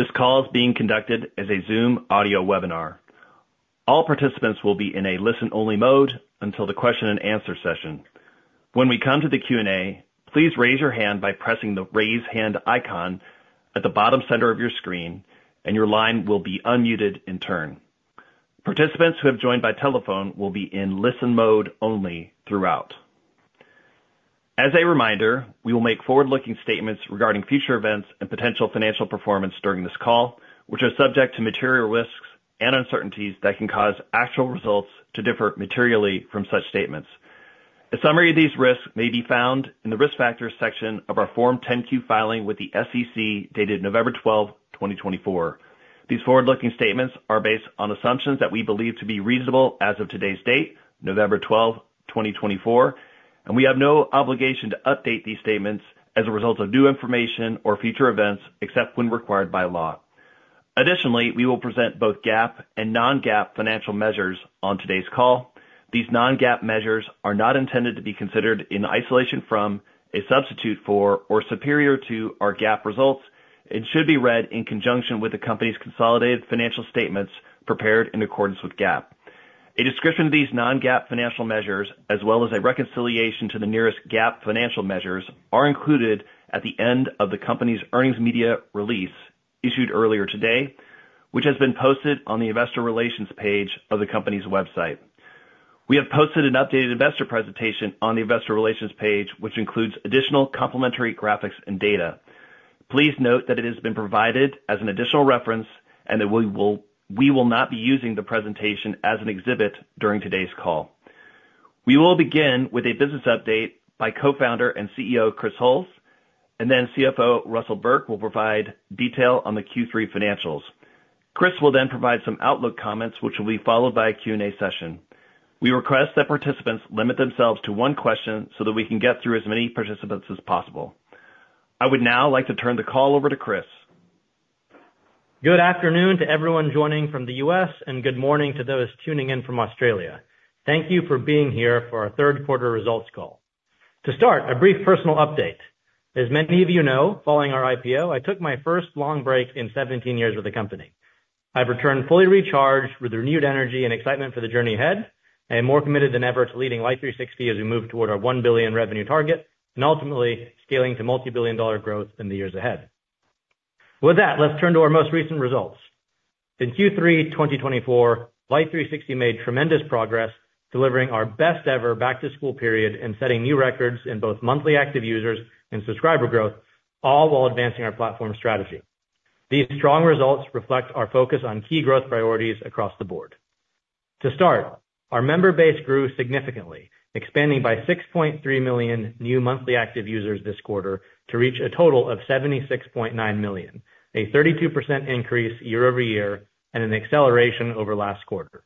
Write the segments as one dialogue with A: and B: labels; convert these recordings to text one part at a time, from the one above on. A: This call is being conducted as a Zoom audio webinar. All participants will be in a listen-only mode until the question-and-answer session. When we come to the Q&A, please raise your hand by pressing the raise hand icon at the bottom center of your screen, and your line will be unmuted in turn. Participants who have joined by telephone will be in listen mode only throughout. As a reminder, we will make forward-looking statements regarding future events and potential financial performance during this call, which are subject to material risks and uncertainties that can cause actual results to differ materially from such statements. A summary of these risks may be found in the risk factors section of our Form 10-Q filing with the SEC dated November 12, 2024. These forward-looking statements are based on assumptions that we believe to be reasonable as of today's date, November 12, 2024, and we have no obligation to update these statements as a result of new information or future events except when required by law. Additionally, we will present both GAAP and non-GAAP financial measures on today's call. These non-GAAP measures are not intended to be considered in isolation from, a substitute for, or superior to our GAAP results, and should be read in conjunction with the company's consolidated financial statements prepared in accordance with GAAP. A description of these non-GAAP financial measures, as well as a reconciliation to the nearest GAAP financial measures, are included at the end of the company's earnings media release issued earlier today, which has been posted on the investor relations page of the company's website. We have posted an updated investor presentation on the investor relations page, which includes additional complementary graphics and data. Please note that it has been provided as an additional reference and that we will not be using the presentation as an exhibit during today's call. We will begin with a business update by Co-founder and CEO Chris Hulls, and then CFO Russell Burke will provide detail on the Q3 financials. Chris will then provide some outlook comments, which will be followed by a Q&A session. We request that participants limit themselves to one question so that we can get through as many participants as possible. I would now like to turn the call over to Chris.
B: Good afternoon to everyone joining from the U.S., and good morning to those tuning in from Australia. Thank you for being here for our third quarter results call. To start, a brief personal update. As many of you know, following our IPO, I took my first long break in 17 years with the company. I've returned fully recharged with renewed energy and excitement for the journey ahead, and I am more committed than ever to leading Life360 as we move toward our $1 billion revenue target, and ultimately scaling to multi-billion dollar growth in the years ahead. With that, let's turn to our most recent results. In Q3 2024, Life360 made tremendous progress delivering our best-ever back-to-school period and setting new records in both monthly active users and subscriber growth, all while advancing our platform strategy. These strong results reflect our focus on key growth priorities across the board. To start, our member base grew significantly, expanding by 6.3 million new monthly active users this quarter to reach a total of 76.9 million, a 32% increase year-over-year and an acceleration over last quarter.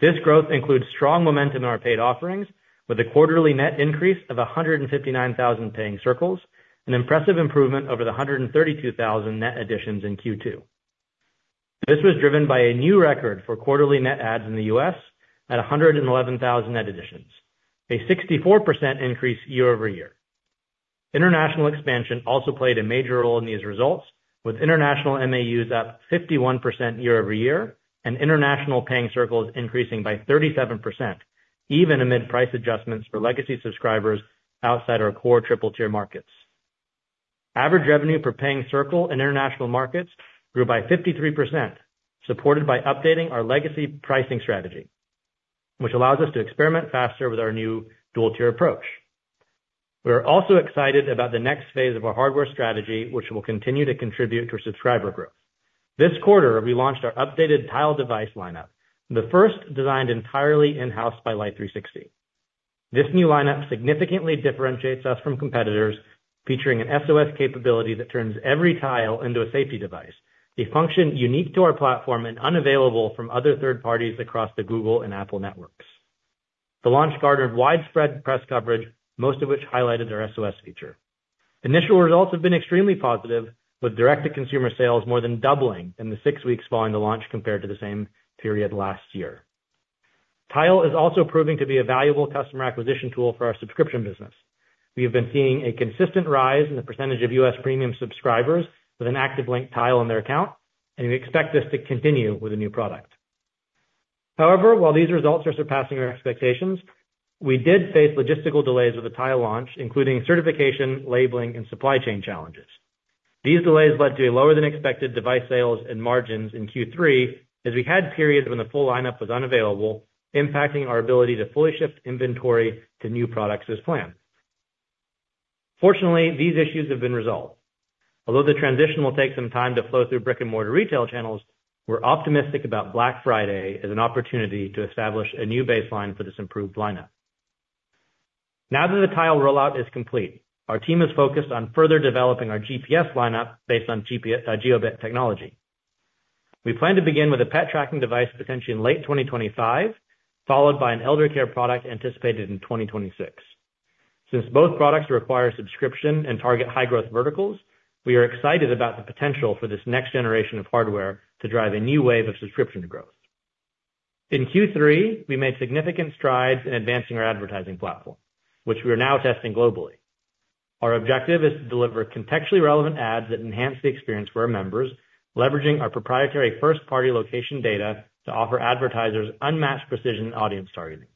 B: This growth includes strong momentum in our paid offerings, with a quarterly net increase of 159,000 paying circles, an impressive improvement over the 132,000 net additions in Q2. This was driven by a new record for quarterly net adds in the U.S. at 111,000 net additions, a 64% increase year-over-year. International expansion also played a major role in these results, with international MAUs up 51% year-over-year and international paying circles increasing by 37%, even amid price adjustments for legacy subscribers outside our core triple-tier markets. Average revenue per paying circle in international markets grew by 53%, supported by updating our legacy pricing strategy, which allows us to experiment faster with our new dual-tier approach. We are also excited about the next phase of our hardware strategy, which will continue to contribute to subscriber growth. This quarter, we launched our updated Tile device lineup, the first designed entirely in-house by Life360. This new lineup significantly differentiates us from competitors, featuring an SOS capability that turns every Tile into a safety device, a function unique to our platform and unavailable from other third parties across the Google and Apple networks. The launch garnered widespread press coverage, most of which highlighted their SOS feature. Initial results have been extremely positive, with direct-to-consumer sales more than doubling in the six weeks following the launch compared to the same period last year. Tile is also proving to be a valuable customer acquisition tool for our subscription business. We have been seeing a consistent rise in the percentage of U.S. premium subscribers with an active linked Tile on their account, and we expect this to continue with a new product. However, while these results are surpassing our expectations, we did face logistical delays with the Tile launch, including certification, labeling, and supply chain challenges. These delays led to lower-than-expected device sales and margins in Q3, as we had periods when the full lineup was unavailable, impacting our ability to fully shift inventory to new products as planned. Fortunately, these issues have been resolved. Although the transition will take some time to flow through brick-and-mortar retail channels, we're optimistic about Black Friday as an opportunity to establish a new baseline for this improved lineup. Now that the Tile rollout is complete, our team is focused on further developing our GPS lineup based on Jiobit technology. We plan to begin with a pet tracking device potentially in late 2025, followed by an elder care product anticipated in 2026. Since both products require subscription and target high-growth verticals, we are excited about the potential for this next generation of hardware to drive a new wave of subscription growth. In Q3, we made significant strides in advancing our advertising platform, which we are now testing globally. Our objective is to deliver contextually relevant ads that enhance the experience for our members, leveraging our proprietary first-party location data to offer advertisers unmatched precision and audience targeting.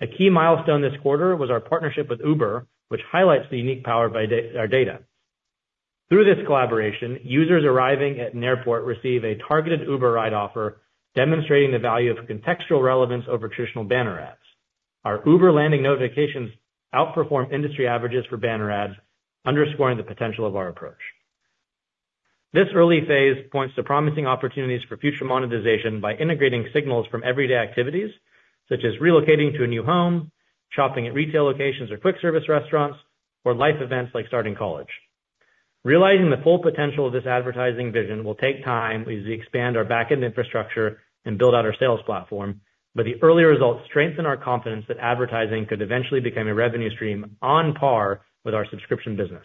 B: A key milestone this quarter was our partnership with Uber, which highlights the unique power of our data. Through this collaboration, users arriving at an airport receive a targeted Uber ride offer, demonstrating the value of contextual relevance over traditional banner ads. Our Uber landing notifications outperform industry averages for banner ads, underscoring the potential of our approach. This early phase points to promising opportunities for future monetization by integrating signals from everyday activities, such as relocating to a new home, shopping at retail locations or quick-service restaurants, or life events like starting college. Realizing the full potential of this advertising vision will take time as we expand our back-end infrastructure and build out our sales platform, but the early results strengthen our confidence that advertising could eventually become a revenue stream on par with our subscription business.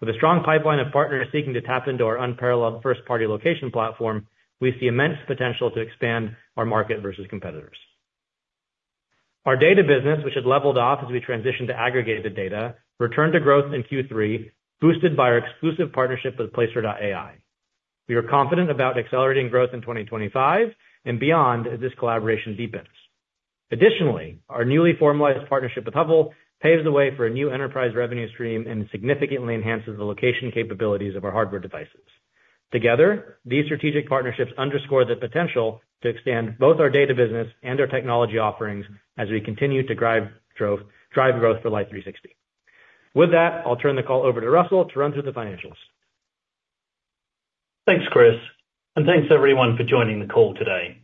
B: With a strong pipeline of partners seeking to tap into our unparalleled first-party location platform, we see immense potential to expand our market versus competitors. Our data business, which had leveled off as we transitioned to aggregated data, returned to growth in Q3, boosted by our exclusive partnership with Placer.ai. We are confident about accelerating growth in 2025 and beyond as this collaboration deepens. Additionally, our newly formalized partnership with Hubble paves the way for a new enterprise revenue stream and significantly enhances the location capabilities of our hardware devices. Together, these strategic partnerships underscore the potential to expand both our data business and our technology offerings as we continue to drive growth for Life360. With that, I'll turn the call over to Russell to run through the financials.
C: Thanks, Chris, and thanks everyone for joining the call today.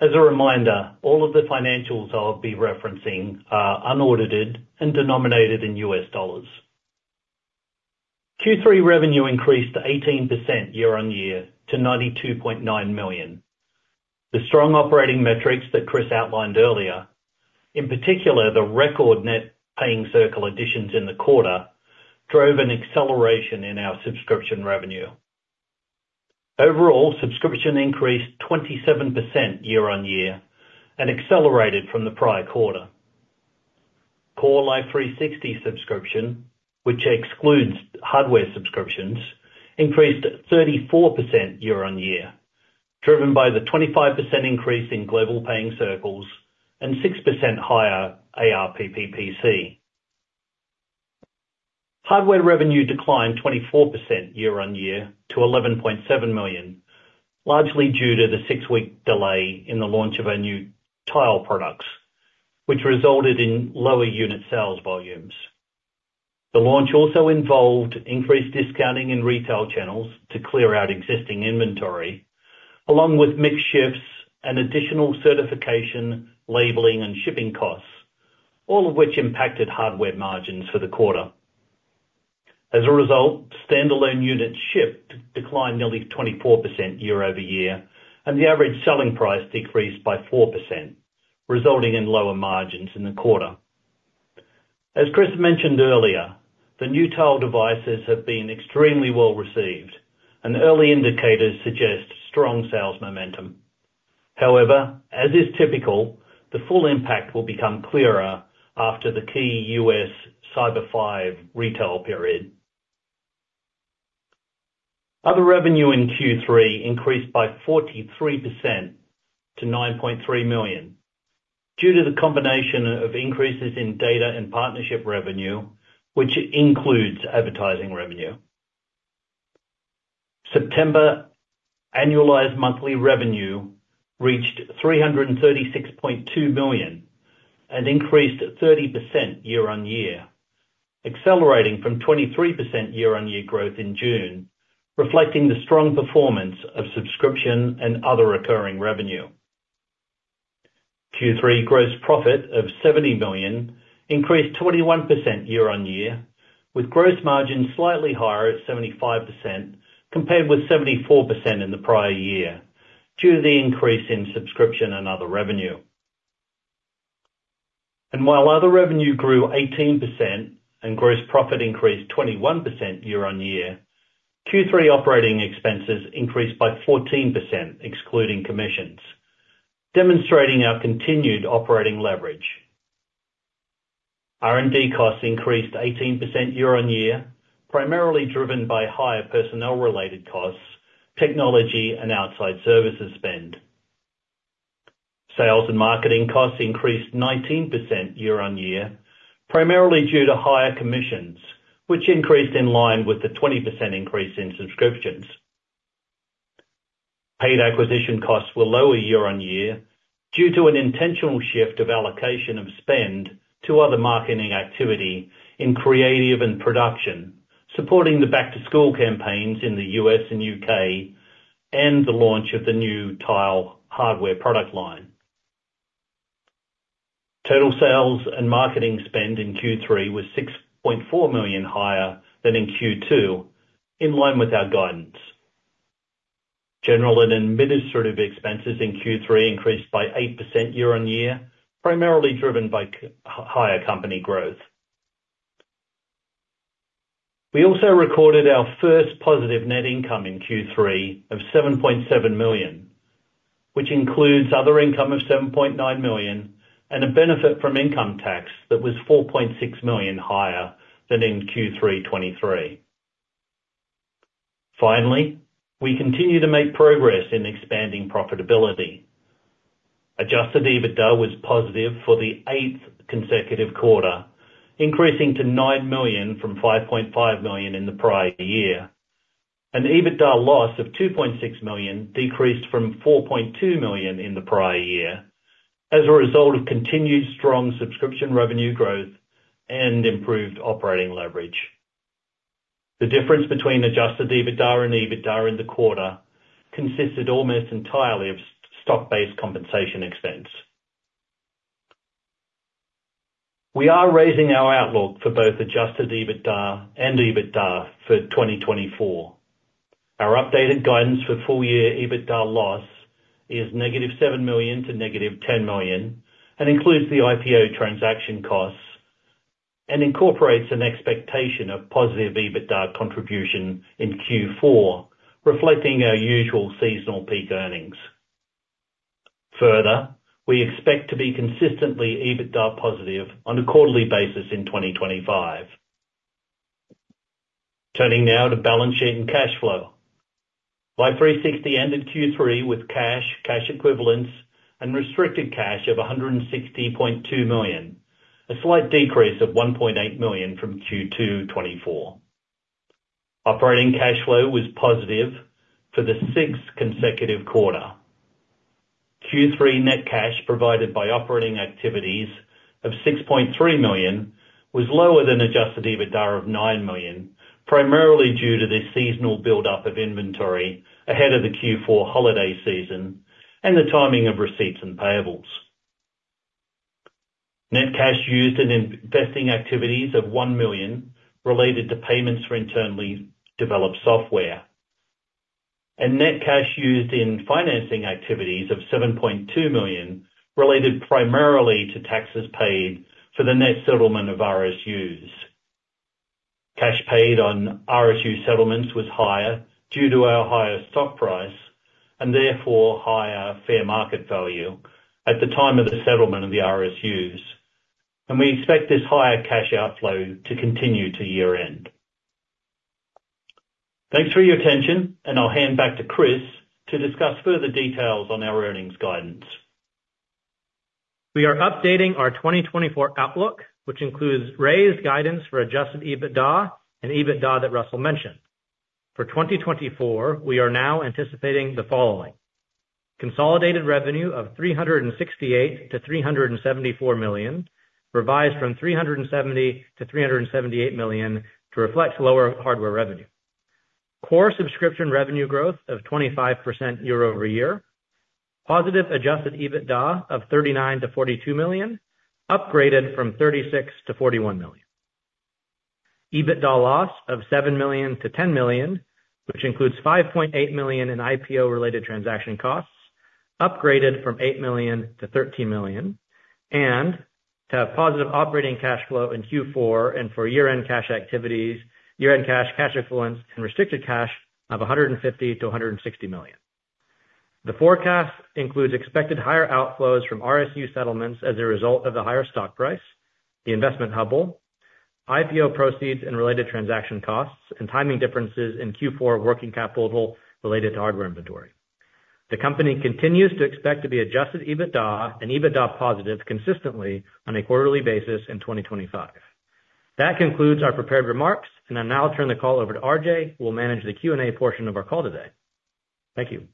C: As a reminder, all of the financials I'll be referencing are unaudited and denominated in U.S. dollars. Q3 revenue increased 18% year-on-year to $92.9 million. The strong operating metrics that Chris outlined earlier, in particular the record net paying circle additions in the quarter, drove an acceleration in our subscription revenue. Overall, subscription increased 27% year-on-year and accelerated from the prior quarter. Core Life360 subscription, which excludes hardware subscriptions, increased 34% year-on-year, driven by the 25% increase in global paying circles and 6% higher ARPPC. Hardware revenue declined 24% year-on-year to $11.7 million, largely due to the six-week delay in the launch of our new Tile products, which resulted in lower unit sales volumes. The launch also involved increased discounting in retail channels to clear out existing inventory, along with mix shifts and additional certification, labeling, and shipping costs, all of which impacted hardware margins for the quarter. As a result, standalone units shipped declined nearly 24% year-over-year, and the average selling price decreased by 4%, resulting in lower margins in the quarter. As Chris mentioned earlier, the new Tile devices have been extremely well received, and early indicators suggest strong sales momentum. However, as is typical, the full impact will become clearer after the key U.S. Cyber 5 retail period. Other revenue in Q3 increased by 43% to $9.3 million due to the combination of increases in data and partnership revenue, which includes advertising revenue. September annualized monthly revenue reached $336.2 million and increased 30% year-on-year, accelerating from 23% year-on-year growth in June, reflecting the strong performance of subscription and other recurring revenue. Q3 gross profit of $70 million increased 21% year-on-year, with gross margin slightly higher at 75% compared with 74% in the prior year due to the increase in subscription and other revenue, and while other revenue grew 18% and gross profit increased 21% year-on-year, Q3 operating expenses increased by 14%, excluding commissions, demonstrating our continued operating leverage. R&D costs increased 18% year-on-year, primarily driven by higher personnel-related costs, technology, and outside services spend. Sales and marketing costs increased 19% year-on-year, primarily due to higher commissions, which increased in line with the 20% increase in subscriptions. Paid acquisition costs were lower year-on-year due to an intentional shift of allocation of spend to other marketing activity in creative and production, supporting the back-to-school campaigns in the U.S. and U.K. and the launch of the new Tile hardware product line. Total sales and marketing spend in Q3 was $6.4 million higher than in Q2, in line with our guidance. General and administrative expenses in Q3 increased by 8% year-on-year, primarily driven by higher company growth. We also recorded our first positive net income in Q3 of $7.7 million, which includes other income of $7.9 million and a benefit from income tax that was $4.6 million higher than in Q3 2023. Finally, we continue to make progress in expanding profitability. Adjusted EBITDA was positive for the eighth consecutive quarter, increasing to $9 million from $5.5 million in the prior year. An EBITDA loss of $2.6 million decreased from $4.2 million in the prior year as a result of continued strong subscription revenue growth and improved operating leverage. The difference between adjusted EBITDA and EBITDA in the quarter consisted almost entirely of stock-based compensation expense. We are raising our outlook for both adjusted EBITDA and EBITDA for 2024. Our updated guidance for full-year EBITDA loss is negative $7 million to negative $10 million and includes the IPO transaction costs and incorporates an expectation of positive EBITDA contribution in Q4, reflecting our usual seasonal peak earnings. Further, we expect to be consistently EBITDA positive on a quarterly basis in 2025. Turning now to balance sheet and cash flow. Life360 ended Q3 with cash, cash equivalents, and restricted cash of $160.2 million, a slight decrease of $1.8 million from Q2 24. Operating cash flow was positive for the sixth consecutive quarter. Q3 net cash provided by operating activities of $6.3 million was lower than Adjusted EBITDA of $9 million, primarily due to the seasonal build-up of inventory ahead of the Q4 holiday season and the timing of receipts and payables. Net cash used in investing activities of $1 million related to payments for internally developed software. Net cash used in financing activities of $7.2 million related primarily to taxes paid for the net settlement of RSUs. Cash paid on RSU settlements was higher due to our higher stock price and therefore higher fair market value at the time of the settlement of the RSUs, and we expect this higher cash outflow to continue to year-end. Thanks for your attention, and I'll hand back to Chris to discuss further details on our earnings guidance.
B: We are updating our 2024 outlook, which includes raised guidance for Adjusted EBITDA and EBITDA that Russell mentioned. For 2024, we are now anticipating the following: consolidated revenue of $368 million-$374 million, revised from $370 million-$378 million to reflect lower hardware revenue. Core subscription revenue growth of 25% year-over-year. Positive Adjusted EBITDA of $39 million-$42 million, upgraded from $36 million-$41 million. EBITDA loss of $7 million-$10 million, which includes $5.8 million in IPO-related transaction costs, upgraded from $8 million-$13 million. And to have positive operating cash flow in Q4 and for year-end cash activities, year-end cash, cash equivalents, and restricted cash of $150 million-$160 million. The forecast includes expected higher outflows from RSU settlements as a result of the higher stock price, the investment in Hubble, IPO proceeds and related transaction costs, and timing differences in Q4 working capital related to hardware inventory. The company continues to expect to be Adjusted EBITDA and EBITDA positive consistently on a quarterly basis in 2025. That concludes our prepared remarks, and I now turn the call over to RJ, who will manage the Q&A portion of our call today. Thank you.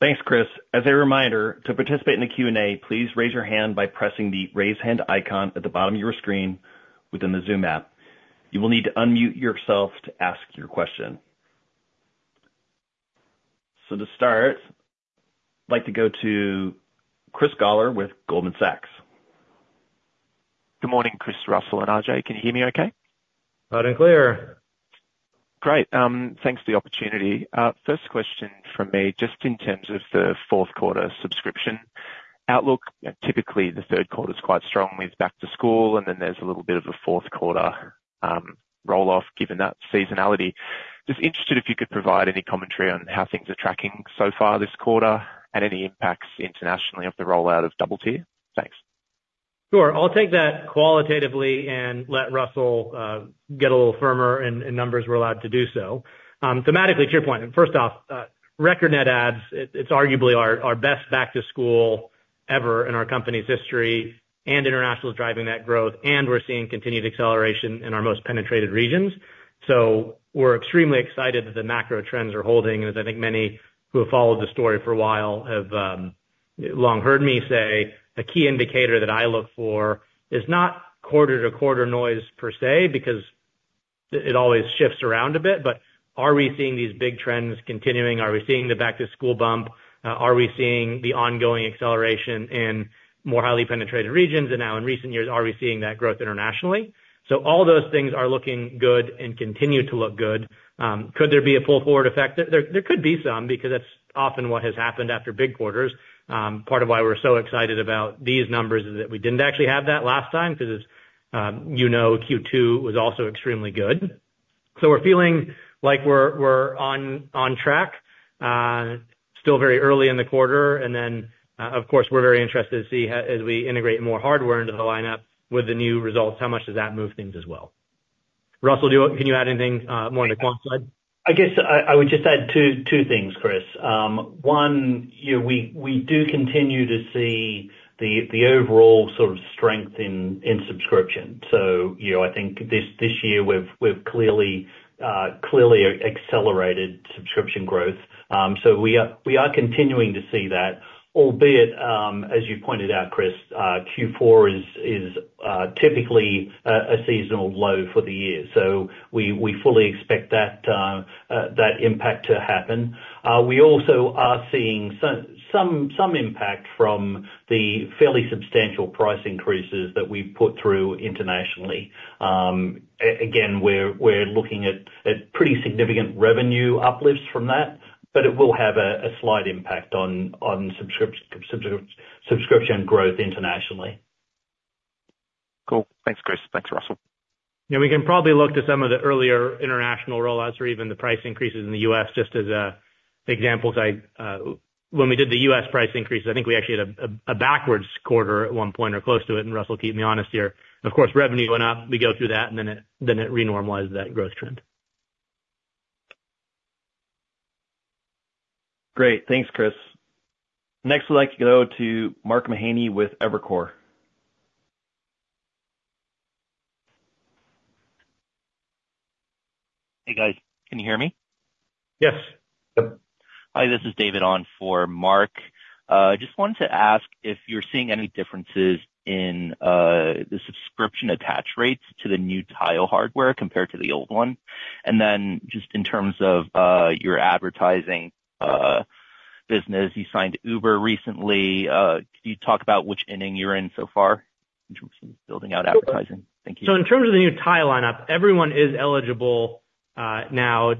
A: Thanks, Chris. As a reminder, to participate in the Q&A, please raise your hand by pressing the raise hand icon at the bottom of your screen within the Zoom app. You will need to unmute yourself to ask your question. So to start, I'd like to go to Chris Gawler with Goldman Sachs.
D: Good morning, Chris, Russell, and RJ. Can you hear me okay?
B: Loud and clear.
D: Great. Thanks for the opportunity. First question from me, just in terms of the fourth quarter subscription outlook. Typically, the third quarter is quite strong with back-to-school, and then there's a little bit of a fourth quarter roll-off given that seasonality. Just interested if you could provide any commentary on how things are tracking so far this quarter and any impacts internationally of the rollout of dual-tier. Thanks.
B: Sure. I'll take that qualitatively and let Russell get a little firmer in numbers where allowed to do so. Thematically, to your point, first off, record net adds, it's arguably our best back-to-school ever in our company's history and international is driving that growth, and we're seeing continued acceleration in our most penetrated regions. So we're extremely excited that the macro trends are holding, as I think many who have followed the story for a while have long heard me say a key indicator that I look for is not quarter-to-quarter noise per se, because it always shifts around a bit, but are we seeing these big trends continuing? Are we seeing the back-to-school bump? Are we seeing the ongoing acceleration in more highly penetrated regions? And now, in recent years, are we seeing that growth internationally? So all those things are looking good and continue to look good. Could there be a pull-forward effect? There could be some, because that's often what has happened after big quarters. Part of why we're so excited about these numbers is that we didn't actually have that last time, because as you know, Q2 was also extremely good. So we're feeling like we're on track, still very early in the quarter. And then, of course, we're very interested to see as we integrate more hardware into the lineup with the new results, how much does that move things as well? Russell, can you add anything more on the quant side?
C: I guess I would just add two things, Chris. One, we do continue to see the overall sort of strength in subscription. So I think this year we've clearly accelerated subscription growth. So we are continuing to see that, albeit, as you pointed out, Chris, Q4 is typically a seasonal low for the year. So we fully expect that impact to happen. We also are seeing some impact from the fairly substantial price increases that we've put through internationally. Again, we're looking at pretty significant revenue uplifts from that, but it will have a slight impact on subscription growth internationally.
D: Cool. Thanks, Chris. Thanks, Russell.
B: Yeah, we can probably look to some of the earlier international rollouts or even the price increases in the U.S. just as examples. When we did the U.S. price increases, I think we actually had a backwards quarter at one point or close to it, and Russell, keep me honest here. Of course, revenue went up, we go through that, and then it renormalized that growth trend.
A: Great. Thanks, Chris. Next, I'd like to go to Mark Mahaney with Evercore. Hey, guys. Can you hear me?
B: Yes. Yep. Hi, this is David on for Mark. I just wanted to ask if you're seeing any differences in the subscription attach rates to the new Tile hardware compared to the old one? And then just in terms of your advertising business, you signed Uber recently. Can you talk about which inning you're in so far in terms of building out advertising? Thank you. In terms of the new Tile lineup, everyone is eligible now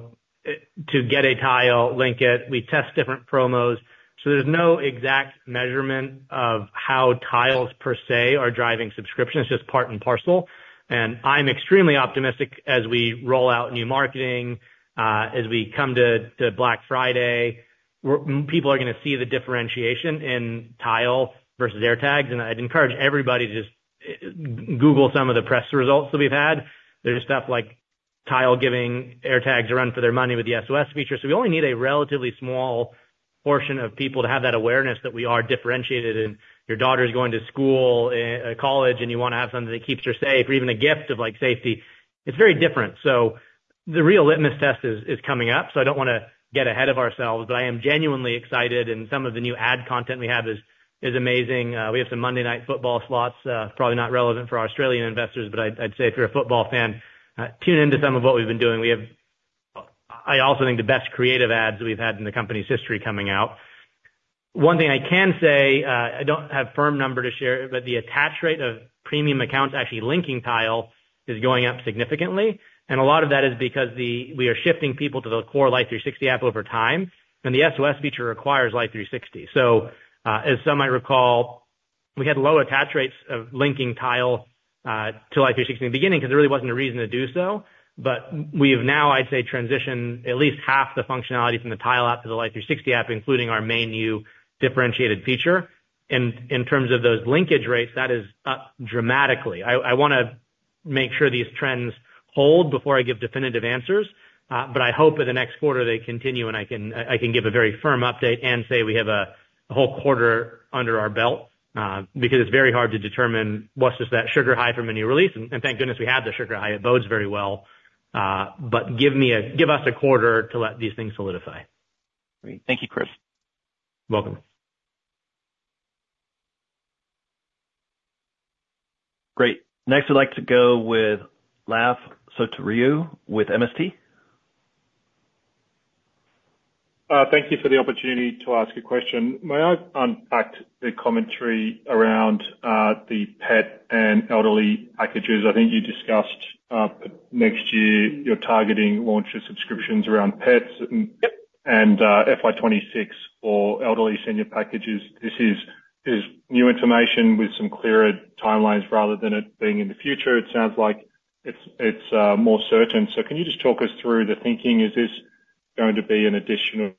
B: to get a Tile, link it. We test different promos. There's no exact measurement of how Tiles per se are driving subscription. It's just part and parcel. I'm extremely optimistic as we roll out new marketing, as we come to Black Friday, people are going to see the differentiation in Tile versus AirTags. I'd encourage everybody to just Google some of the press results that we've had. There's stuff like Tile giving AirTags a run for their money with the SOS feature. We only need a relatively small portion of people to have that awareness that we are differentiated in your daughter's going to school, college, and you want to have something that keeps her safe or even a gift of safety. It's very different. The real litmus test is coming up. So I don't want to get ahead of ourselves, but I am genuinely excited, and some of the new ad content we have is amazing. We have some Monday Night Football slots, probably not relevant for Australian investors, but I'd say if you're a football fan, tune into some of what we've been doing. I also think the best creative ads we've had in the company's history coming out. One thing I can say, I don't have firm number to share, but the attach rate of premium accounts actually linking Tile is going up significantly. And a lot of that is because we are shifting people to the core Life360 app over time, and the SOS feature requires Life360. So as some might recall, we had low attach rates of linking Tile to Life360 in the beginning because there really wasn't a reason to do so. But we have now, I'd say, transitioned at least half the functionality from the Tile app to the Life360 app, including our main new differentiated feature. And in terms of those linkage rates, that is up dramatically. I want to make sure these trends hold before I give definitive answers, but I hope in the next quarter they continue, and I can give a very firm update and say we have a whole quarter under our belt because it's very hard to determine what's just that sugar high from a new release. And thank goodness we have the sugar high. It bodes very well. But give us a quarter to let these things solidify. Great. Thank you, Chris. You're welcome.
A: Great. Next, I'd like to go with Laf Sotiriou with MST.
E: Thank you for the opportunity to ask a question. May I unpack the commentary around the pet and elderly packages? I think you discussed next year you're targeting launch of subscriptions around pets and FY26 for elderly senior packages. This is new information with some clearer timelines rather than it being in the future. It sounds like it's more certain. So can you just talk us through the thinking? Is this going to be an additional,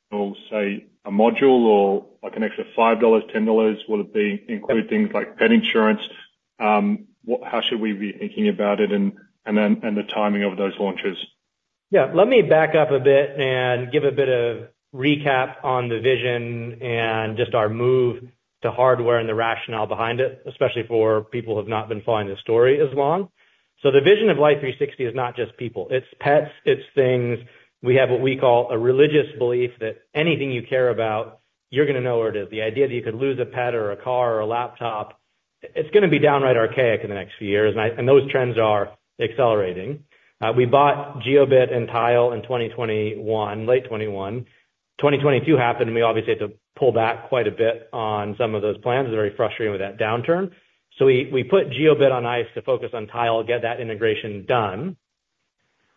E: say, a module or an extra $5, $10? Will it include things like pet insurance? How should we be thinking about it and the timing of those launches?
B: Yeah. Let me back up a bit and give a bit of recap on the vision and just our move to hardware and the rationale behind it, especially for people who have not been following the story as long. So the vision of Life360 is not just people. It's pets. It's things. We have what we call a religious belief that anything you care about, you're going to know where it is. The idea that you could lose a pet or a car or a laptop, it's going to be downright archaic in the next few years, and those trends are accelerating. We bought Jiobit and Tile in late 2021. 2022 happened, and we obviously had to pull back quite a bit on some of those plans. It was very frustrating with that downturn. So we put Jiobit on ice to focus on Tile, get that integration done.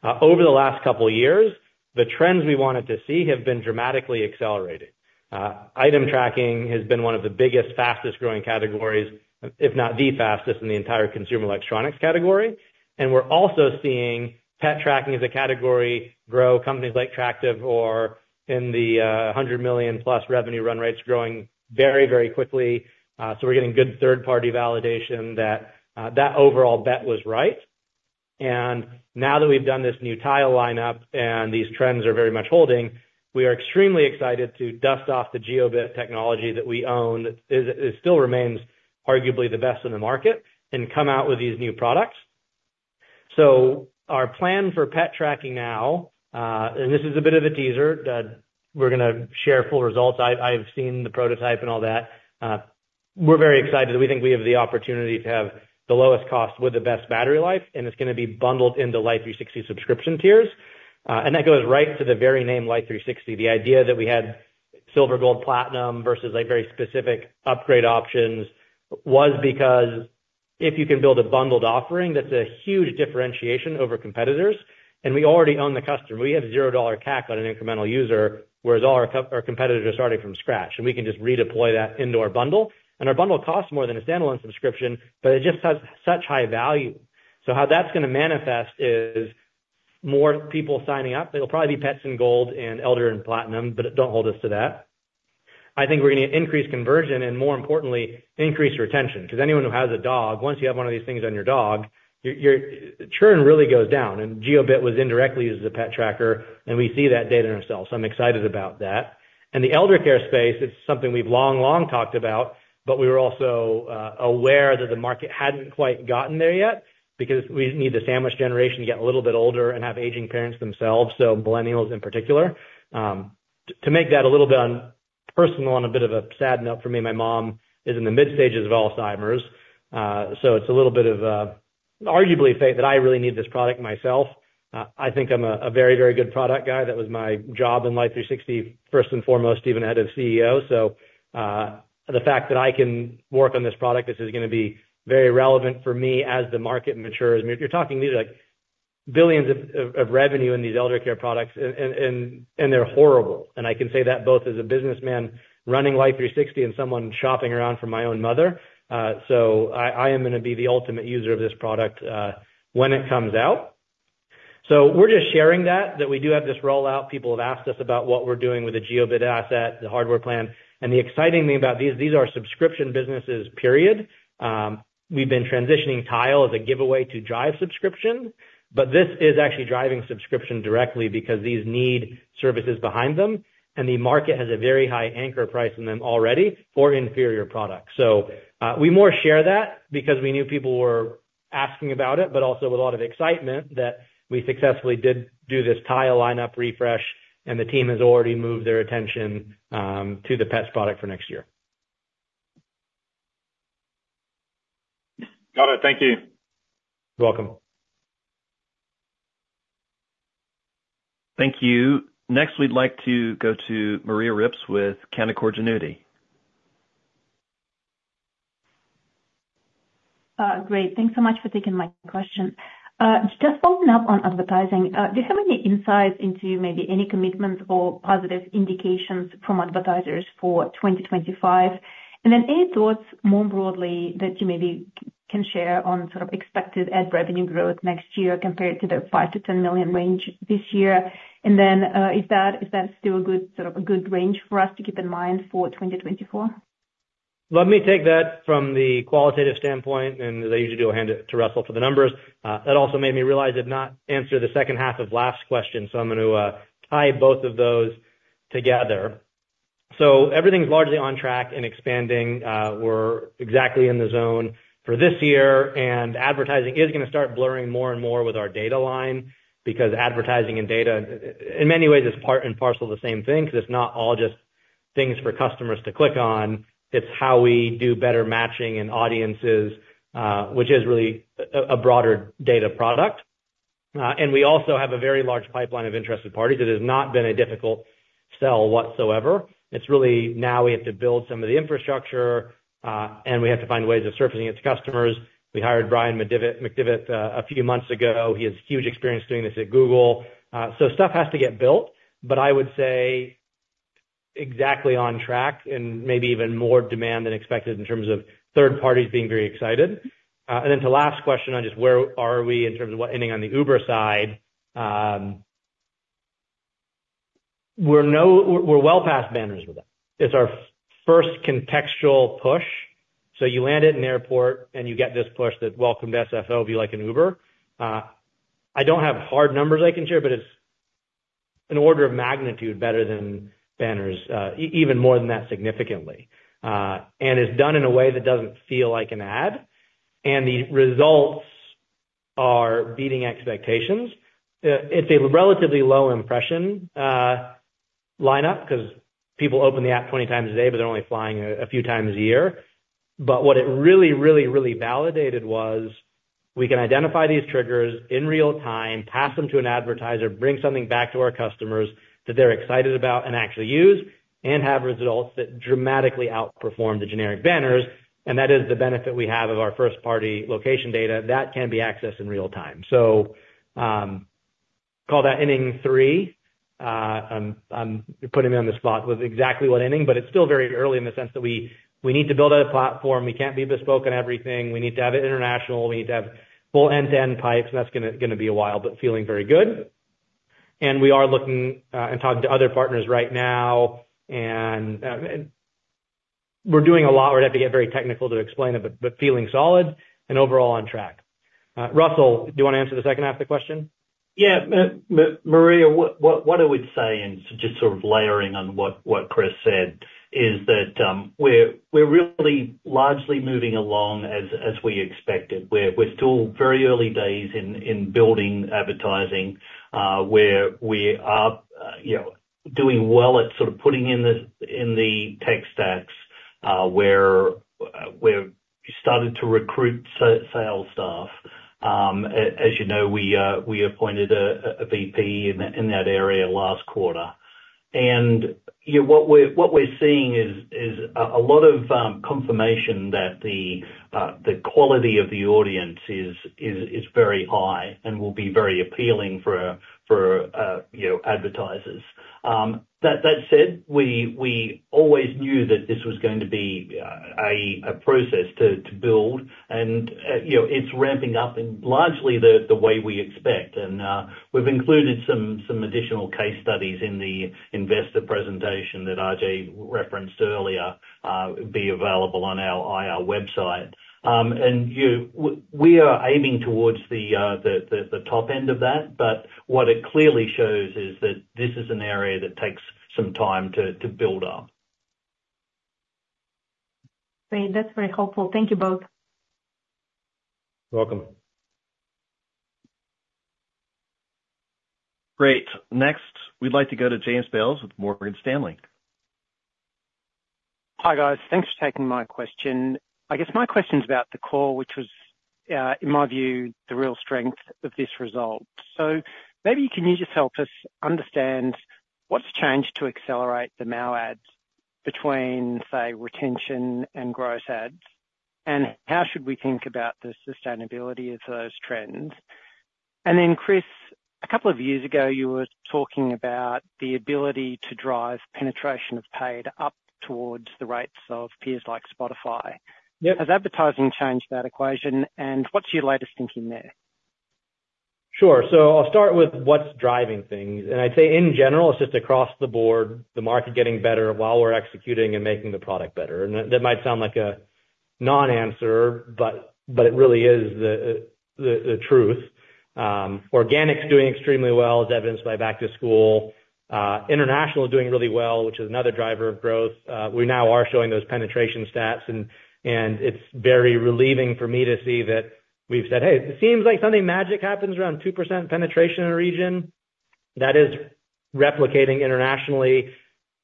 B: Over the last couple of years, the trends we wanted to see have been dramatically accelerated. Item tracking has been one of the biggest, fastest-growing categories, if not the fastest in the entire consumer electronics category. And we're also seeing pet tracking as a category grow, companies like Tractive or in the 100 million-plus revenue run rates growing very, very quickly. So we're getting good third-party validation that that overall bet was right. And now that we've done this new Tile lineup and these trends are very much holding, we are extremely excited to dust off the Jiobit technology that we own that still remains arguably the best in the market and come out with these new products. So our plan for pet tracking now, and this is a bit of a teaser. We're going to share full results. I've seen the prototype and all that. We're very excited. We think we have the opportunity to have the lowest cost with the best battery life, and it's going to be bundled into Life360 subscription tiers. And that goes right to the very name Life360. The idea that we had Silver, Gold, Platinum versus very specific upgrade options was because if you can build a bundled offering, that's a huge differentiation over competitors. And we already own the customer. We have $0 CAC on an incremental user, whereas all our competitors are starting from scratch. And we can just redeploy that into our bundle. And our bundle costs more than a standalone subscription, but it just has such high value. So how that's going to manifest is more people signing up. There'll probably be pets in Gold and elder and Platinum, but don't hold us to that. I think we're going to increase conversion and, more importantly, increase retention. Because anyone who has a dog, once you have one of these things on your dog, churn really goes down. And Jiobit was indirectly used as a pet tracker, and we see that data in ourselves. So I'm excited about that. And the eldercare space, it's something we've long, long talked about, but we were also aware that the market hadn't quite gotten there yet because we need the sandwich generation to get a little bit older and have aging parents themselves, so millennials in particular. To make that a little bit personal on a bit of a sad note for me, my mom is in the mid-stages of Alzheimer's. So it's a little bit of arguably fate that I really need this product myself. I think I'm a very, very good product guy. That was my job in Life360, first and foremost, even ahead of CEO. So the fact that I can work on this product, this is going to be very relevant for me as the market matures. You're talking these are like billions of revenue in these eldercare products, and they're horrible. And I can say that both as a businessman running Life360 and someone shopping around for my own mother. So I am going to be the ultimate user of this product when it comes out. So we're just sharing that, that we do have this rollout. People have asked us about what we're doing with the Jiobit asset, the hardware plan. And the exciting thing about these, these are subscription businesses, period. We've been transitioning Tile as a giveaway to drive subscription, but this is actually driving subscription directly because these need services behind them. And the market has a very high anchor price in them already for inferior products. We wanted to share that because we knew people were asking about it, but also with a lot of excitement that we successfully did do this Tile lineup refresh, and the team has already moved their attention to the pet product for next year.
E: Got it. Thank you.
B: You're welcome.
A: Thank you. Next, we'd like to go to Maria Ripps with Canaccord Genuity.
F: Great. Thanks so much for taking my question. Just following up on advertising, do you have any insights into maybe any commitments or positive indications from advertisers for 2025? And then any thoughts more broadly that you maybe can share on sort of expected ad revenue growth next year compared to the $5 million-$10 million range this year? And then is that still a good range for us to keep in mind for 2024?
B: Let me take that from the qualitative standpoint, and as I usually do, I'll hand it to Russell for the numbers. That also made me realize I did not answer the second half of last question, so I'm going to tie both of those together. So everything's largely on track and expanding. We're exactly in the zone for this year, and advertising is going to start blurring more and more with our data line because advertising and data, in many ways, is part and parcel of the same thing because it's not all just things for customers to click on. It's how we do better matching and audiences, which is really a broader data product. And we also have a very large pipeline of interested parties. It has not been a difficult sell whatsoever. It's really now we have to build some of the infrastructure, and we have to find ways of surfacing it to customers. We hired Brian McDevitt a few months ago. He has huge experience doing this at Google. So stuff has to get built, but I would say exactly on track and maybe even more demand than expected in terms of third parties being very excited. And then to the last question on just where are we in terms of what we're doing on the Uber side, we're well past banners with it. It's our first contextual push. So you land in the airport, and you get this push that, "Welcome to SFO. Book an Uber." I don't have hard numbers I can share, but it's an order of magnitude better than banners, even more than that significantly, and it's done in a way that doesn't feel like an ad. The results are beating expectations. It's a relatively low impression lineup because people open the app 20 times a day, but they're only flying a few times a year. What it really, really, really validated was we can identify these triggers in real time, pass them to an advertiser, bring something back to our customers that they're excited about and actually use, and have results that dramatically outperform the generic banners. That is the benefit we have of our first-party location data that can be accessed in real time. Call that inning three. You're putting me on the spot with exactly what inning, but it's still very early in the sense that we need to build a platform. We can't be bespoke on everything. We need to have it international. We need to have full end-to-end pipes. That's going to be a while, but feeling very good. We are looking and talking to other partners right now. We're doing a lot. We're going to have to get very technical to explain it, but feeling solid and overall on track. Russell, do you want to answer the second half of the question?
C: Yeah. Maria, what I would say, and just sort of layering on what Chris said, is that we're really largely moving along as we expected. We're still very early days in building advertising where we are doing well at sort of putting in the tech stacks where we started to recruit sales staff. As you know, we appointed a VP in that area last quarter. And what we're seeing is a lot of confirmation that the quality of the audience is very high and will be very appealing for advertisers. That said, we always knew that this was going to be a process to build, and it's ramping up in largely the way we expect. And we've included some additional case studies in the investor presentation that RJ referenced earlier that'll be available on our website. We are aiming towards the top end of that, but what it clearly shows is that this is an area that takes some time to build up.
F: Great. That's very helpful. Thank you both.
B: You're welcome.
A: Great. Next, we'd like to go to James Bales with Morgan Stanley.
G: Hi guys. Thanks for taking my question. I guess my question's about the core, which was, in my view, the real strength of this result. So maybe you can just help us understand what's changed to accelerate the MAU adds between, say, retention and gross adds, and how should we think about the sustainability of those trends? And then Chris, a couple of years ago, you were talking about the ability to drive penetration of paid up towards the rates of peers like Spotify. Has advertising changed that equation, and what's your latest thinking there?
B: Sure. So I'll start with what's driving things, and I'd say, in general, it's just across the board, the market getting better while we're executing and making the product better, and that might sound like a non-answer, but it really is the truth. Organics doing extremely well is evidenced by back-to-school. International is doing really well, which is another driver of growth. We now are showing those penetration stats, and it's very relieving for me to see that we've said, "Hey, it seems like something magic happens around 2% penetration in a region." That is replicating internationally.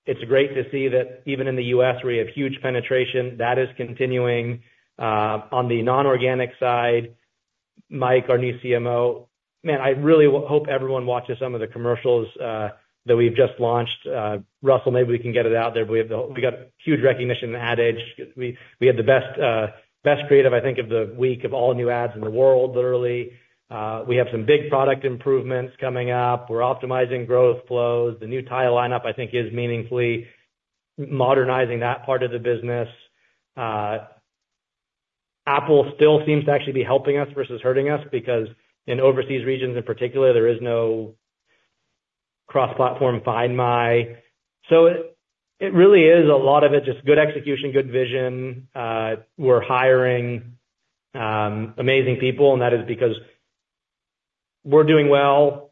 B: It's great to see that even in the U.S., where we have huge penetration, that is continuing. On the non-organic side, Mike, our new CMO, man, I really hope everyone watches some of the commercials that we've just launched. Russell, maybe we can get it out there, but we got huge recognition in Ad Age. We had the best creative, I think, of the week of all new ads in the world, literally. We have some big product improvements coming up. We're optimizing growth flows. The new Tile lineup, I think, is meaningfully modernizing that part of the business. Apple still seems to actually be helping us versus hurting us because in overseas regions in particular, there is no cross-platform Find My. So it really is a lot of it just good execution, good vision. We're hiring amazing people, and that is because we're doing well.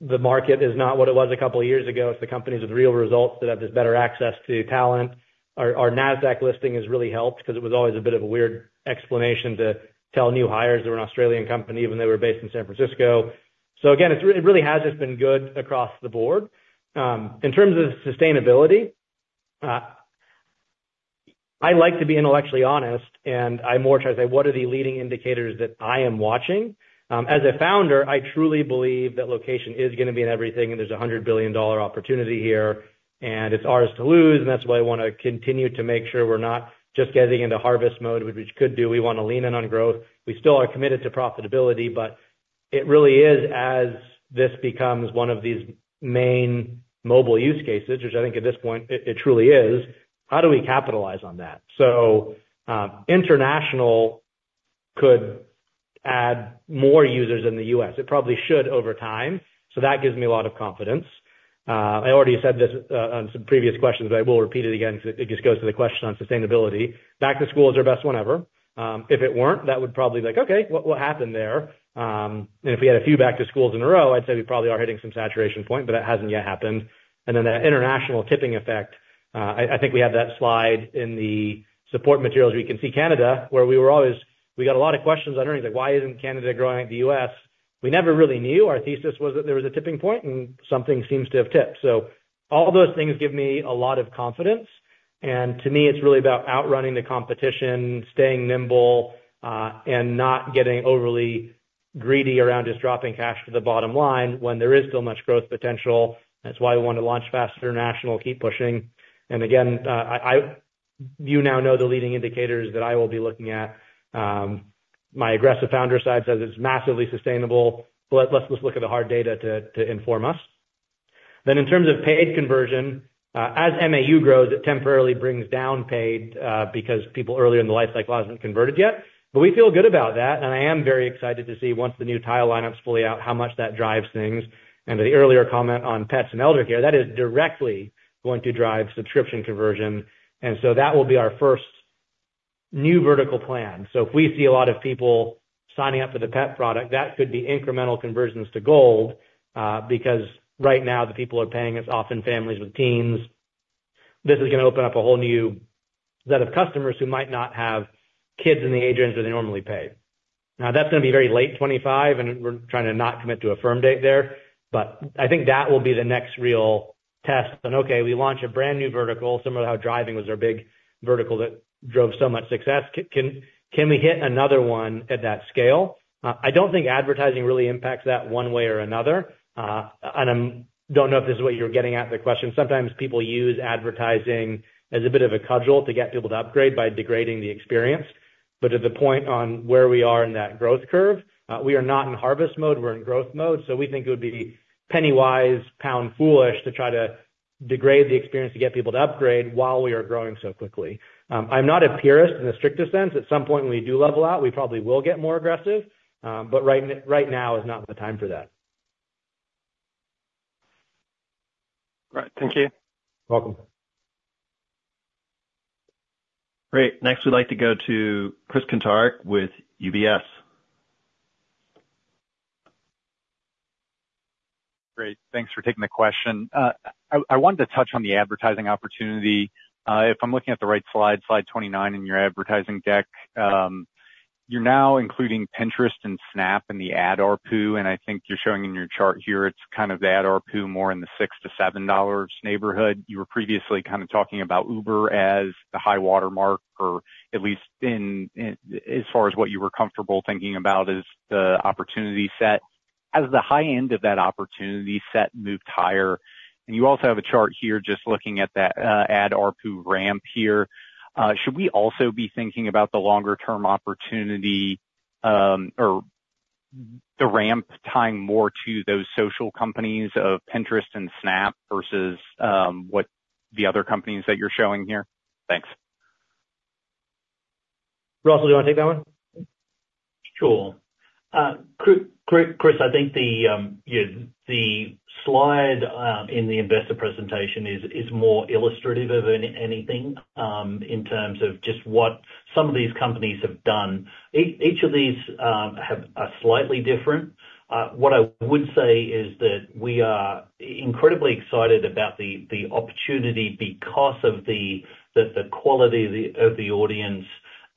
B: The market is not what it was a couple of years ago. It's the companies with real results that have this better access to talent. Our Nasdaq listing has really helped because it was always a bit of a weird explanation to tell new hires they were an Australian company when they were based in San Francisco, so again, it really has just been good across the board. In terms of sustainability, I like to be intellectually honest, and I more try to say, "What are the leading indicators that I am watching?" As a founder, I truly believe that location is going to be in everything, and there's a $100 billion opportunity here, and it's ours to lose, and that's why I want to continue to make sure we're not just getting into harvest mode, which we could do. We want to lean in on growth. We still are committed to profitability, but it really is as this becomes one of these main mobile use cases, which I think at this point it truly is, how do we capitalize on that? So international could add more users in the U.S. It probably should over time. So that gives me a lot of confidence. I already said this on some previous questions, but I will repeat it again because it just goes to the question on sustainability. Back-to-school is our best one ever. If it weren't, that would probably be like, "Okay, what happened there?" And if we had a few back-to-schools in a row, I'd say we probably are hitting some saturation point, but that hasn't yet happened. That international tipping effect, I think we have that slide in the support materials we can see Canada, where we always got a lot of questions on earnings. Like, "Why isn't Canada growing like the U.S.?" We never really knew. Our thesis was that there was a tipping point, and something seems to have tipped. So all those things give me a lot of confidence. And to me, it's really about outrunning the competition, staying nimble, and not getting overly greedy around just dropping cash to the bottom line when there is still much growth potential. That's why we want to launch fast international, keep pushing. And again, you now know the leading indicators that I will be looking at. My aggressive founder side says it's massively sustainable, but let's look at the hard data to inform us. Then in terms of paid conversion, as MAU grows, it temporarily brings down paid because people earlier in the life cycle haven't converted yet. But we feel good about that. And I am very excited to see once the new Tile lineup's fully out how much that drives things. And to the earlier comment on pets and eldercare, that is directly going to drive subscription conversion. And so that will be our first new vertical plan. So if we see a lot of people signing up for the pet product, that could be incremental conversions to Gold because right now the people are paying us often families with teens. This is going to open up a whole new set of customers who might not have kids in the age range where they normally pay. Now, that's going to be very late 2025, and we're trying to not commit to a firm date there, but I think that will be the next real test, and okay, we launch a brand new vertical, similar to how driving was our big vertical that drove so much success. Can we hit another one at that scale? I don't think advertising really impacts that one way or another, and I don't know if this is what you're getting at the question. Sometimes people use advertising as a bit of a cudgel to get people to upgrade by degrading the experience, but to the point on where we are in that growth curve, we are not in harvest mode. We're in growth mode so we think it would be penny-wise, pound-foolish to try to degrade the experience to get people to upgrade while we are growing so quickly. I'm not a purist in the strictest sense. At some point when we do level out, we probably will get more aggressive. But right now is not the time for that.
G: All right. Thank you.
B: You're welcome.
A: Great. Next, we'd like to go to Chris Kuntarich with UBS.
H: Great. Thanks for taking the question. I wanted to touch on the advertising opportunity. If I'm looking at the right slide, slide 29 in your advertising deck, you're now including Pinterest and Snap in the ad RPU. And I think you're showing in your chart here, it's kind of the ad RPU more in the $6-$7 neighborhood. You were previously kind of talking about Uber as the high watermark, or at least as far as what you were comfortable thinking about as the opportunity set. Has the high end of that opportunity set moved higher? And you also have a chart here just looking at that ad RPU ramp here. Should we also be thinking about the longer-term opportunity or the ramp tying more to those social companies of Pinterest and Snap versus what the other companies that you're showing here? Thanks.
B: Russell, do you want to take that one?
C: Sure. Chris, I think the slide in the investor presentation is more illustrative of anything in terms of just what some of these companies have done. Each of these are slightly different. What I would say is that we are incredibly excited about the opportunity because of the quality of the audience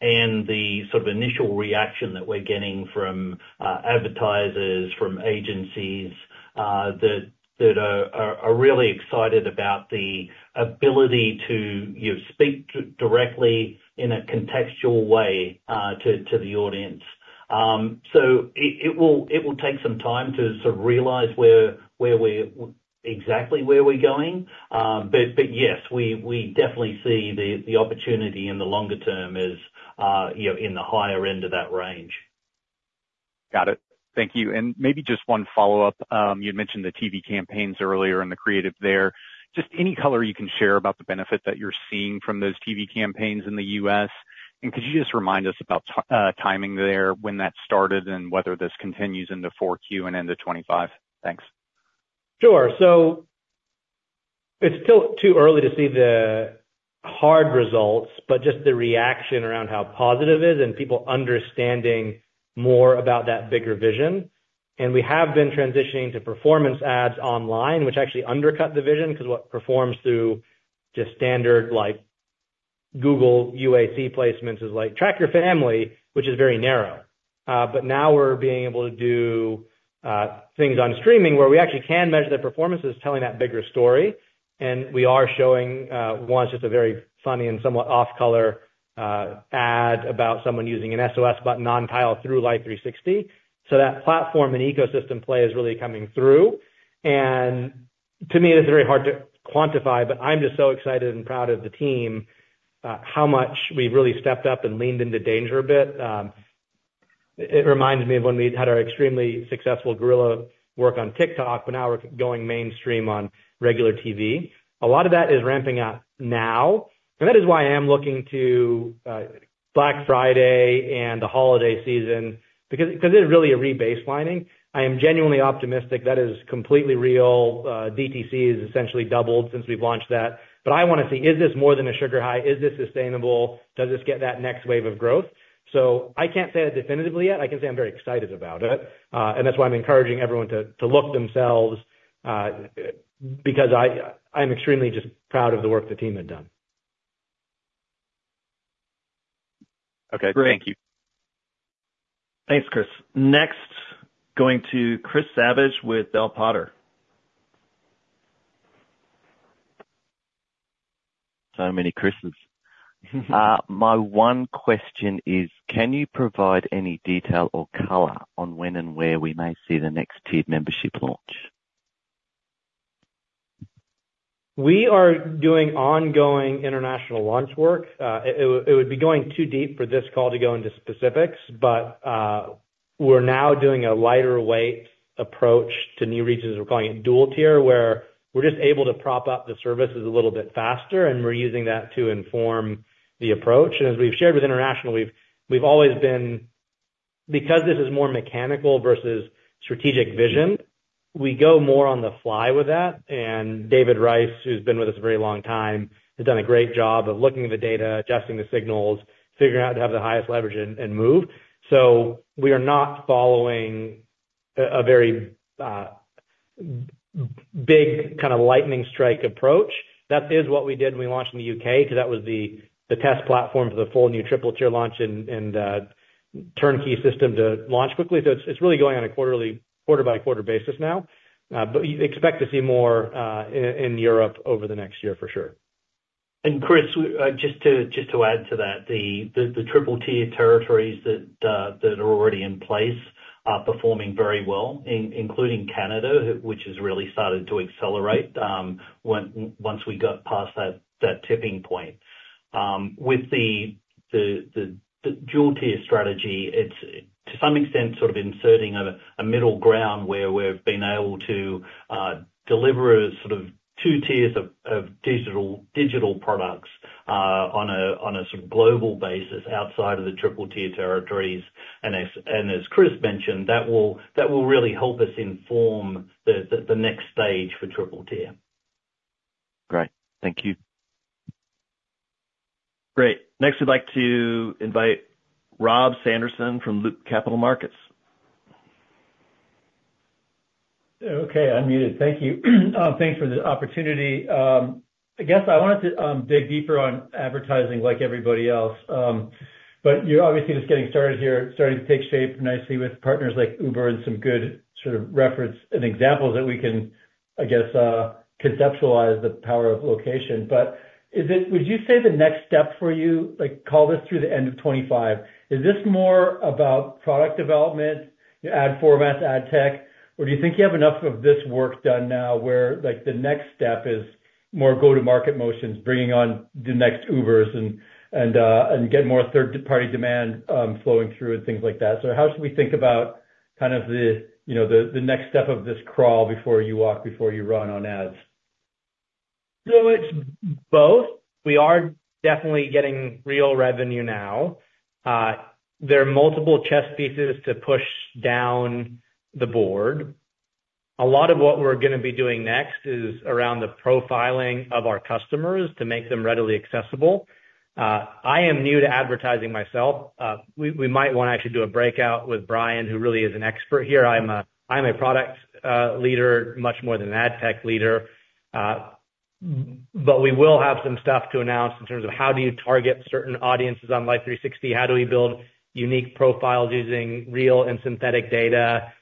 C: and the sort of initial reaction that we're getting from advertisers, from agencies that are really excited about the ability to speak directly in a contextual way to the audience. So it will take some time to sort of realize exactly where we're going. But yes, we definitely see the opportunity in the longer term is in the higher end of that range.
H: Got it. Thank you. And maybe just one follow-up. You had mentioned the TV campaigns earlier and the creative there. Just any color you can share about the benefit that you're seeing from those TV campaigns in the US. And could you just remind us about timing there, when that started and whether this continues into 2024 and into 2025? Thanks.
B: Sure, so it's still too early to see the hard results, but just the reaction around how positive it is and people understanding more about that bigger vision, and we have been transitioning to performance ads online, which actually undercut the vision because what performs through just standard Google UAC placements is like track your family, which is very narrow, but now we're being able to do things on streaming where we actually can measure their performance as telling that bigger story, and we are showing once just a very funny and somewhat off-color ad about someone using an SOS button on Tile through Life360, so that platform and ecosystem play is really coming through, and to me, it is very hard to quantify, but I'm just so excited and proud of the team, how much we've really stepped up and leaned into danger a bit. It reminds me of when we had our extremely successful guerrilla work on TikTok, but now we're going mainstream on regular TV. A lot of that is ramping up now, and that is why I am looking to Black Friday and the holiday season because it is really a rebaselining. I am genuinely optimistic. That is completely real. DTC has essentially doubled since we've launched that, but I want to see, is this more than a sugar high? Is this sustainable? Does this get that next wave of growth, so I can't say that definitively yet. I can say I'm very excited about it, and that's why I'm encouraging everyone to look themselves because I'm extremely just proud of the work the team had done.
H: Okay. Thank you.
A: Thanks, Chris. Next, going to Chris Savage with Bell Potter.
I: So many Chrises. My one question is, can you provide any detail or color on when and where we may see the next tiered membership launch?
B: We are doing ongoing international launch work. It would be going too deep for this call to go into specifics, but we're now doing a lighter-weight approach to new regions. We're calling it dual-tier, where we're just able to prop up the services a little bit faster, and we're using that to inform the approach, and as we've shared with international, we've always been, because this is more mechanical versus strategic vision, we go more on the fly with that. And David Rice, who's been with us a very long time, has done a great job of looking at the data, adjusting the signals, figuring out how to have the highest leverage and move, so we are not following a very big kind of lightning strike approach. That is what we did when we launched in the U.K. because that was the test platform for the full new triple-tier launch and turnkey system to launch quickly. So it's really going on a quarter-by-quarter basis now. But expect to see more in Europe over the next year for sure.
C: And Chris, just to add to that, the triple-tier territories that are already in place are performing very well, including Canada, which has really started to accelerate once we got past that tipping point. With the dual-tier strategy, it's to some extent sort of inserting a middle ground where we've been able to deliver sort of two tiers of digital products on a sort of global basis outside of the triple-tier territories. And as Chris mentioned, that will really help us inform the next stage for triple-tier.
I: Great. Thank you.
A: Great. Next, we'd like to invite Rob Sanderson from Loop Capital Markets.
J: Okay. I'm muted. Thank you. Thanks for the opportunity. I guess I wanted to dig deeper on advertising like everybody else. But you're obviously just getting started here, starting to take shape nicely with partners like Uber and some good sort of reference and examples that we can, I guess, conceptualize the power of location. But would you say the next step for you, call this through the end of 2025, is this more about product development, ad formats, ad tech, or do you think you have enough of this work done now where the next step is more go-to-market motions, bringing on the next Ubers and getting more third-party demand flowing through and things like that? So how should we think about kind of the next step of this crawl before you walk, before you run on ads?
B: So it's both. We are definitely getting real revenue now. There are multiple chess pieces to push down the board. A lot of what we're going to be doing next is around the profiling of our customers to make them readily accessible. I am new to advertising myself. We might want to actually do a breakout with Brian, who really is an expert here. I'm a product leader much more than an ad tech leader. But we will have some stuff to announce in terms of how do you target certain audiences on Life360, how do we build unique profiles using real and synthetic data.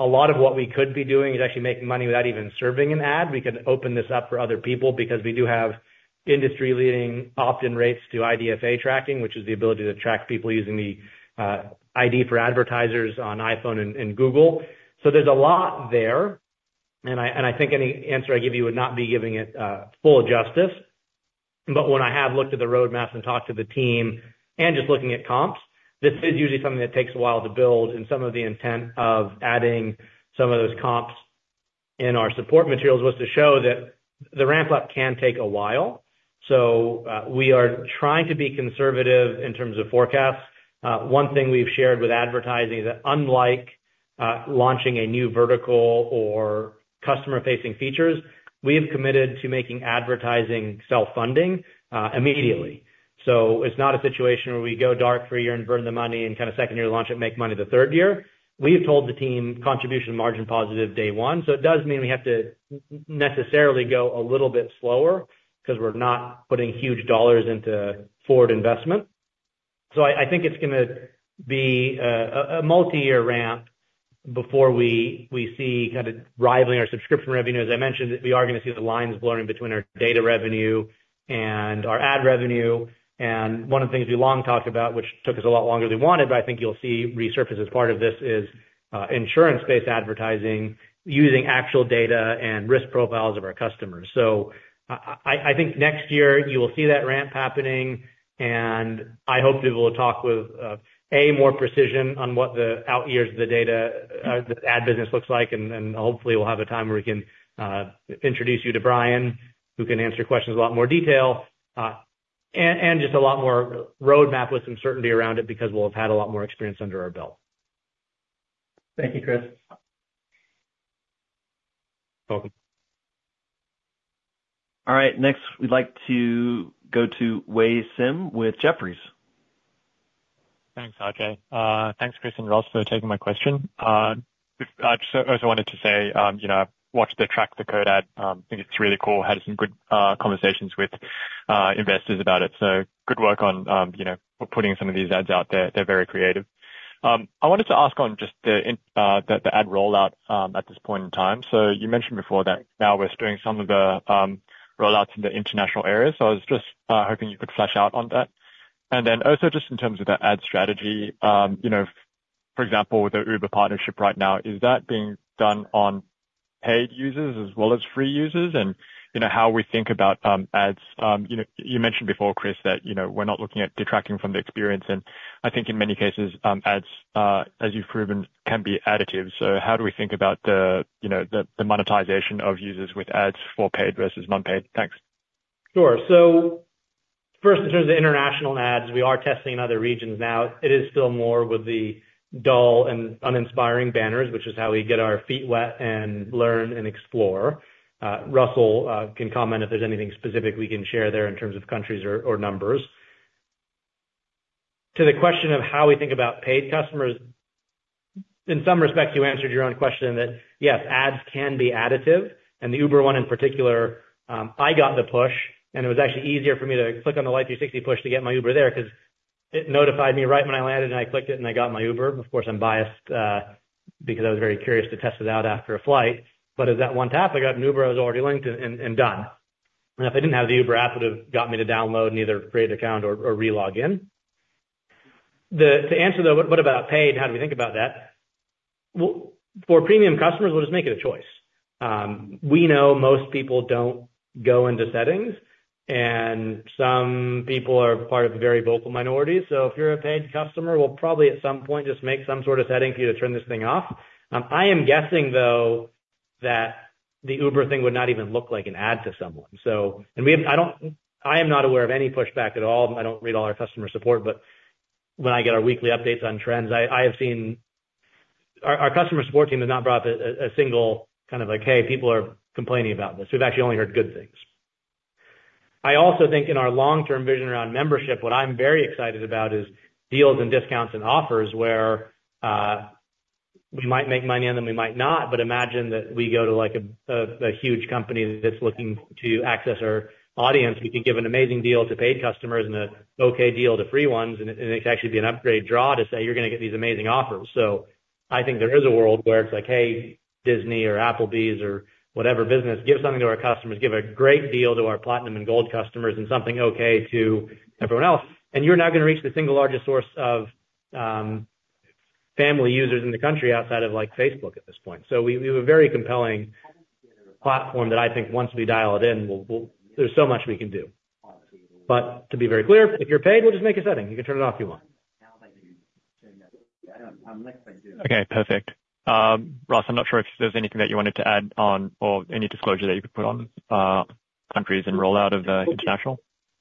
B: A lot of what we could be doing is actually making money without even serving an ad. We could open this up for other people because we do have industry-leading opt-in rates to IDFA tracking, which is the ability to track people using the ID for advertisers on iPhone and Google. So there's a lot there. And I think any answer I give you would not be giving it full justice. But when I have looked at the roadmaps and talked to the team and just looking at comps, this is usually something that takes a while to build. And some of the intent of adding some of those comps in our support materials was to show that the ramp-up can take a while. So we are trying to be conservative in terms of forecasts. One thing we've shared with advertising is that unlike launching a new vertical or customer-facing features, we have committed to making advertising self-funding immediately. So it's not a situation where we go dark for a year and burn the money and kind of second-year launch it, make money the third year. We have told the team contribution margin positive day one. So it does mean we have to necessarily go a little bit slower because we're not putting huge dollars into forward investment. So I think it's going to be a multi-year ramp before we see kind of rivaling our subscription revenue. As I mentioned, we are going to see the lines blurring between our data revenue and our ad revenue. And one of the things we long talked about, which took us a lot longer than we wanted, but I think you'll see resurface as part of this is insurance-based advertising using actual data and risk profiles of our customers. So I think next year you will see that ramp happening. And I hope we will talk with a more precision on what the out years of the data ad business looks like. And hopefully, we'll have a time where we can introduce you to Brian, who can answer questions in a lot more detail, and just a lot more roadmap with some certainty around it because we'll have had a lot more experience under our belt.
J: Thank you, Chris.
B: You're welcome.
A: All right. Next, we'd like to go to Wei Sim with Jefferies.
K: Thanks, RJ. Thanks, Chris and Russ for taking my question. I also wanted to say I've watched the Crack the Code ad. I think it's really cool. Had some good conversations with investors about it. So good work on putting some of these ads out there. They're very creative. I wanted to ask on just the ad rollout at this point in time. You mentioned before that now we're doing some of the rollouts in the international area. I was just hoping you could flesh out on that. And then also just in terms of the ad strategy, for example, with the Uber partnership right now, is that being done on paid users as well as free users? And how we think about ads? You mentioned before, Chris, that we're not looking at detracting from the experience.
C: And I think in many cases, ads, as you've proven, can be additive. So how do we think about the monetization of users with ads for paid versus non-paid? Thanks.
B: Sure. So first, in terms of international ads, we are testing in other regions now. It is still more with the dull and uninspiring banners, which is how we get our feet wet and learn and explore. Russell can comment if there's anything specific we can share there in terms of countries or numbers. To the question of how we think about paid customers, in some respects, you answered your own question that, yes, ads can be additive. And the Uber one in particular, I got the push. And it was actually easier for me to click on the Life360 push to get my Uber there because it notified me right when I landed, and I clicked it, and I got my Uber. Of course, I'm biased because I was very curious to test it out after a flight. But it was that one tap. I got an Uber. I was already linked and done. And if I didn't have the Uber app, it would have got me to download and either create an account or re-log in. To answer, though, what about paid? How do we think about that? Well, for premium customers, we'll just make it a choice. We know most people don't go into settings. And some people are part of a very vocal minority. So if you're a paid customer, we'll probably at some point just make some sort of setting for you to turn this thing off. I am guessing, though, that the Uber thing would not even look like an ad to someone. And I am not aware of any pushback at all. I don't read all our customer support. But when I get our weekly updates on trends, I have seen our customer support team has not brought up a single kind of like, "Hey, people are complaining about this." We've actually only heard good things. I also think in our long-term vision around membership, what I'm very excited about is deals and discounts and offers where we might make money on them, we might not. But imagine that we go to a huge company that's looking to access our audience. We can give an amazing deal to paid customers and an okay deal to free ones. And it could actually be an upgrade draw to say, "You're going to get these amazing offers." So I think there is a world where it's like, "Hey, Disney or Applebee's or whatever business, give something to our customers. Give a great deal to our Platinum and Gold customers and something okay to everyone else," and you're not going to reach the single largest source of family users in the country outside of Facebook at this point, so we have a very compelling platform that I think once we dial it in, there's so much we can do, but to be very clear, if you're paid, we'll just make a setting. You can turn it off if you want.
K: Okay. Perfect. Russ, I'm not sure if there's anything that you wanted to add on or any disclosure that you could put on countries and rollout of the international.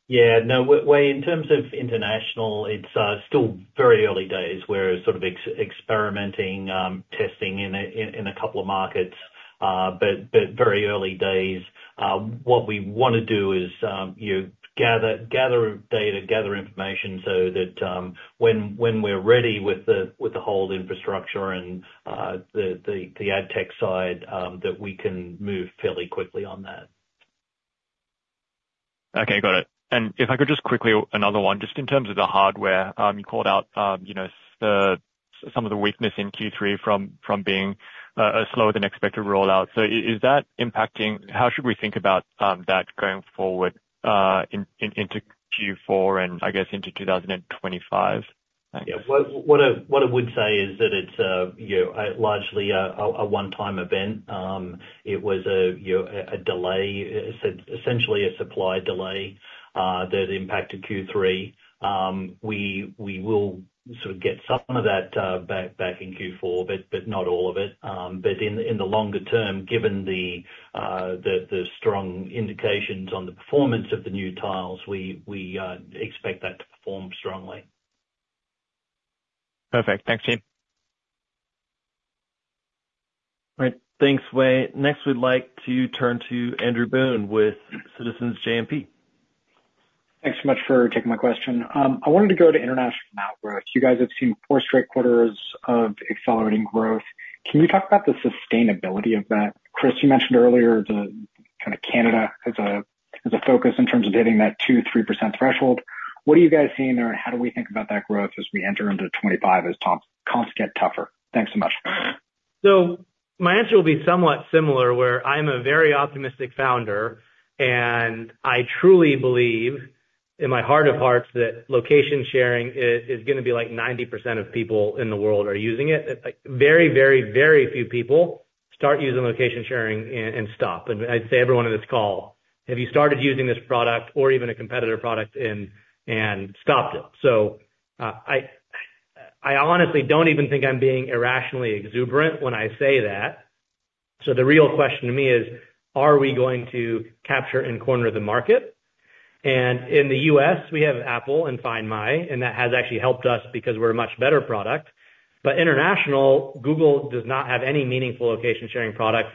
C: Yeah. No, Wei, in terms of international, it's still very early days where it's sort of experimenting, testing in a couple of markets, but very early days. What we want to do is gather data, gather information so that when we're ready with the whole infrastructure and the ad tech side, that we can move fairly quickly on that.
K: Okay. Got it. And if I could just quickly another one, just in terms of the hardware, you called out some of the weakness in Q3 from being a slower-than-expected rollout. So is that impacting how should we think about that going forward into Q4 and, I guess, into 2025?
C: Yeah. What I would say is that it's largely a one-time event. It was a delay, essentially a supply delay that impacted Q3. We will sort of get some of that back in Q4, but not all of it. But in the longer term, given the strong indications on the performance of the new Tiles, we expect that to perform strongly.
K: Perfect. Thanks, team.
A: All right. Thanks, Wei. Next, we'd like to turn to Andrew Boone with Citizens JMP.
L: Thanks so much for taking my question. I wanted to go to international now. You guys have seen four straight quarters of accelerating growth. Can you talk about the sustainability of that? Chris, you mentioned earlier kind of Canada as a focus in terms of hitting that 2%-3% threshold. What are you guys seeing there? And how do we think about that growth as we enter into 2025 as comps get tougher? Thanks so much.
B: My answer will be somewhat similar where I'm a very optimistic founder. I truly believe in my heart of hearts that location sharing is going to be like 90% of people in the world are using it. Very, very, very few people start using location sharing and stop. I'd say everyone on this call, have you started using this product or even a competitor product and stopped it? I honestly don't even think I'm being irrationally exuberant when I say that. The real question to me is, are we going to capture and corner the market? In the U.S., we have Apple and Find My. That has actually helped us because we're a much better product. International, Google does not have any meaningful location sharing products.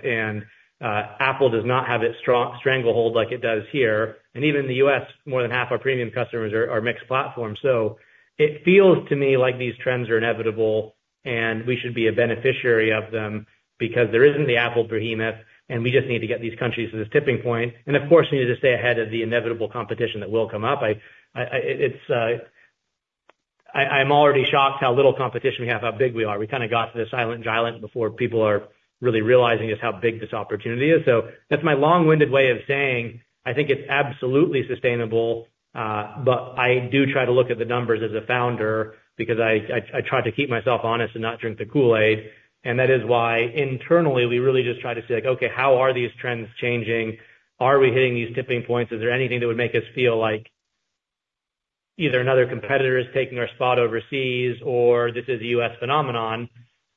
B: Apple does not have its stranglehold like it does here. And even in the U.S., more than half our premium customers are mixed platform. So it feels to me like these trends are inevitable. And we should be a beneficiary of them because there isn't the Apple behemoth. And we just need to get these countries to this tipping point. And of course, we need to stay ahead of the inevitable competition that will come up. I'm already shocked how little competition we have, how big we are. We kind of got to this silent giant before people are really realizing just how big this opportunity is. So that's my long-winded way of saying, I think it's absolutely sustainable. But I do try to look at the numbers as a founder because I try to keep myself honest and not drink the Kool-Aid. And that is why internally, we really just try to see like, "Okay, how are these trends changing? Are we hitting these tipping points? Is there anything that would make us feel like either another competitor is taking our spot overseas or this is a U.S. phenomenon?"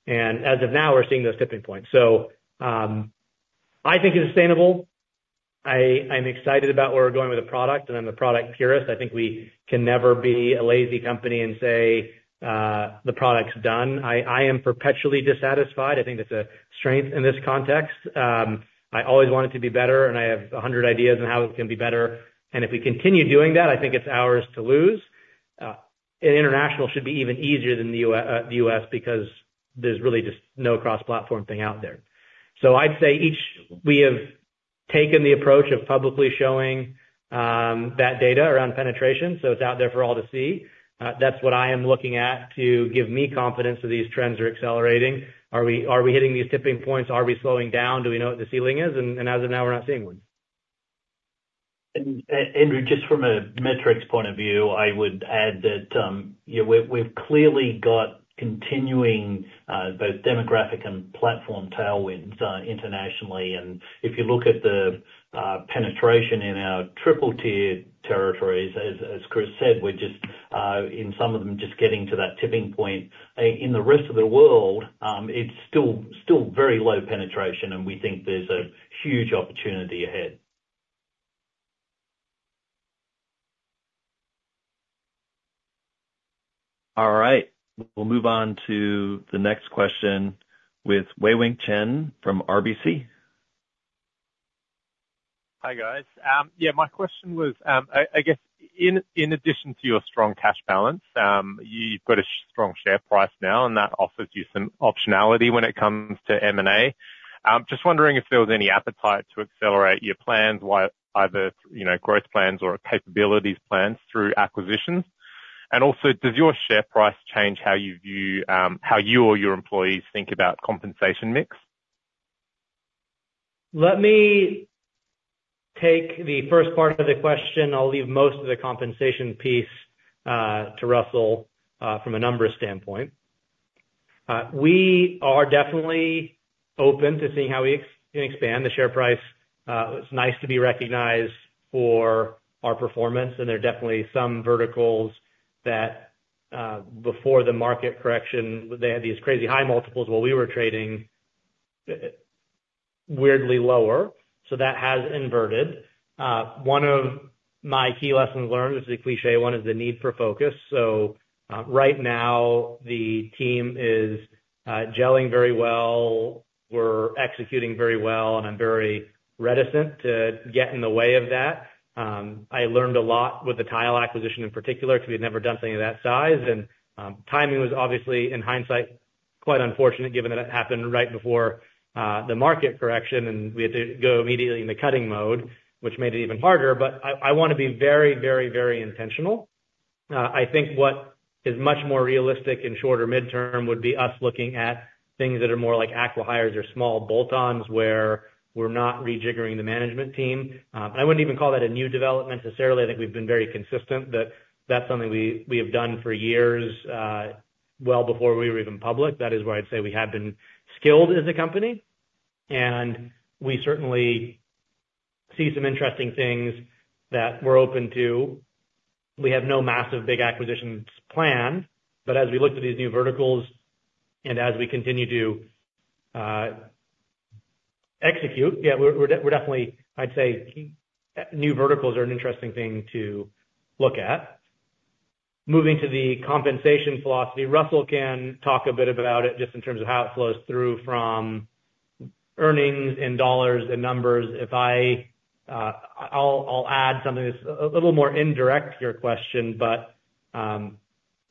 B: And as of now, we're seeing those tipping points. So I think it's sustainable. I'm excited about where we're going with the product. And I'm the product purist. I think we can never be a lazy company and say, "The product's done." I am perpetually dissatisfied. I think that's a strength in this context. I always want it to be better. And I have a hundred ideas on how it can be better. And if we continue doing that, I think it's ours to lose. International should be even easier than the U.S. because there's really just no cross-platform thing out there. So I'd say we have taken the approach of publicly showing that data around penetration. So it's out there for all to see. That's what I am looking at to give me confidence that these trends are accelerating. Are we hitting these tipping points? Are we slowing down? Do we know what the ceiling is? And as of now, we're not seeing one.
C: Andrew, just from a metrics point of view, I would add that we've clearly got continuing both demographic and platform tailwinds internationally. If you look at the penetration in our triple-tier territories, as Chris said, we're just in some of them getting to that tipping point. In the rest of the world, it's still very low penetration. We think there's a huge opportunity ahead.
A: All right. We'll move on to the next question with Wei-Weng Chen from RBC.
M: Hi, guys. Yeah, my question was, I guess in addition to your strong cash balance, you've got a strong share price now. And that offers you some optionality when it comes to M&A. Just wondering if there was any appetite to accelerate your plans, either growth plans or capabilities plans through acquisitions. And also, does your share price change how you view how you or your employees think about compensation mix?
B: Let me take the first part of the question. I'll leave most of the compensation piece to Russell from a numbers standpoint. We are definitely open to seeing how we can expand the share price. It's nice to be recognized for our performance. And there are definitely some verticals that, before the market correction, they had these crazy high multiples while we were trading weirdly lower. So that has inverted. One of my key lessons learned, which is a cliché, one is the need for focus. So right now, the team is gelling very well. We're executing very well. And I'm very reticent to get in the way of that. I learned a lot with the Tile acquisition in particular because we had never done something of that size. And timing was obviously, in hindsight, quite unfortunate given that it happened right before the market correction. We had to go immediately into cutting mode, which made it even harder. I want to be very, very, very intentional. I think what is much more realistic in shorter midterm would be us looking at things that are more like acqui-hires or small bolt-ons where we're not rejiggering the management team. I wouldn't even call that a new development necessarily. I think we've been very consistent that that's something we have done for years well before we were even public. That is why I'd say we have been skilled as a company. We certainly see some interesting things that we're open to. We have no massive big acquisitions planned. As we look to these new verticals and as we continue to execute, yeah, I'd say new verticals are an interesting thing to look at. Moving to the compensation philosophy, Russell can talk a bit about it just in terms of how it flows through from earnings and dollars and numbers. I'll add something that's a little more indirect to your question. But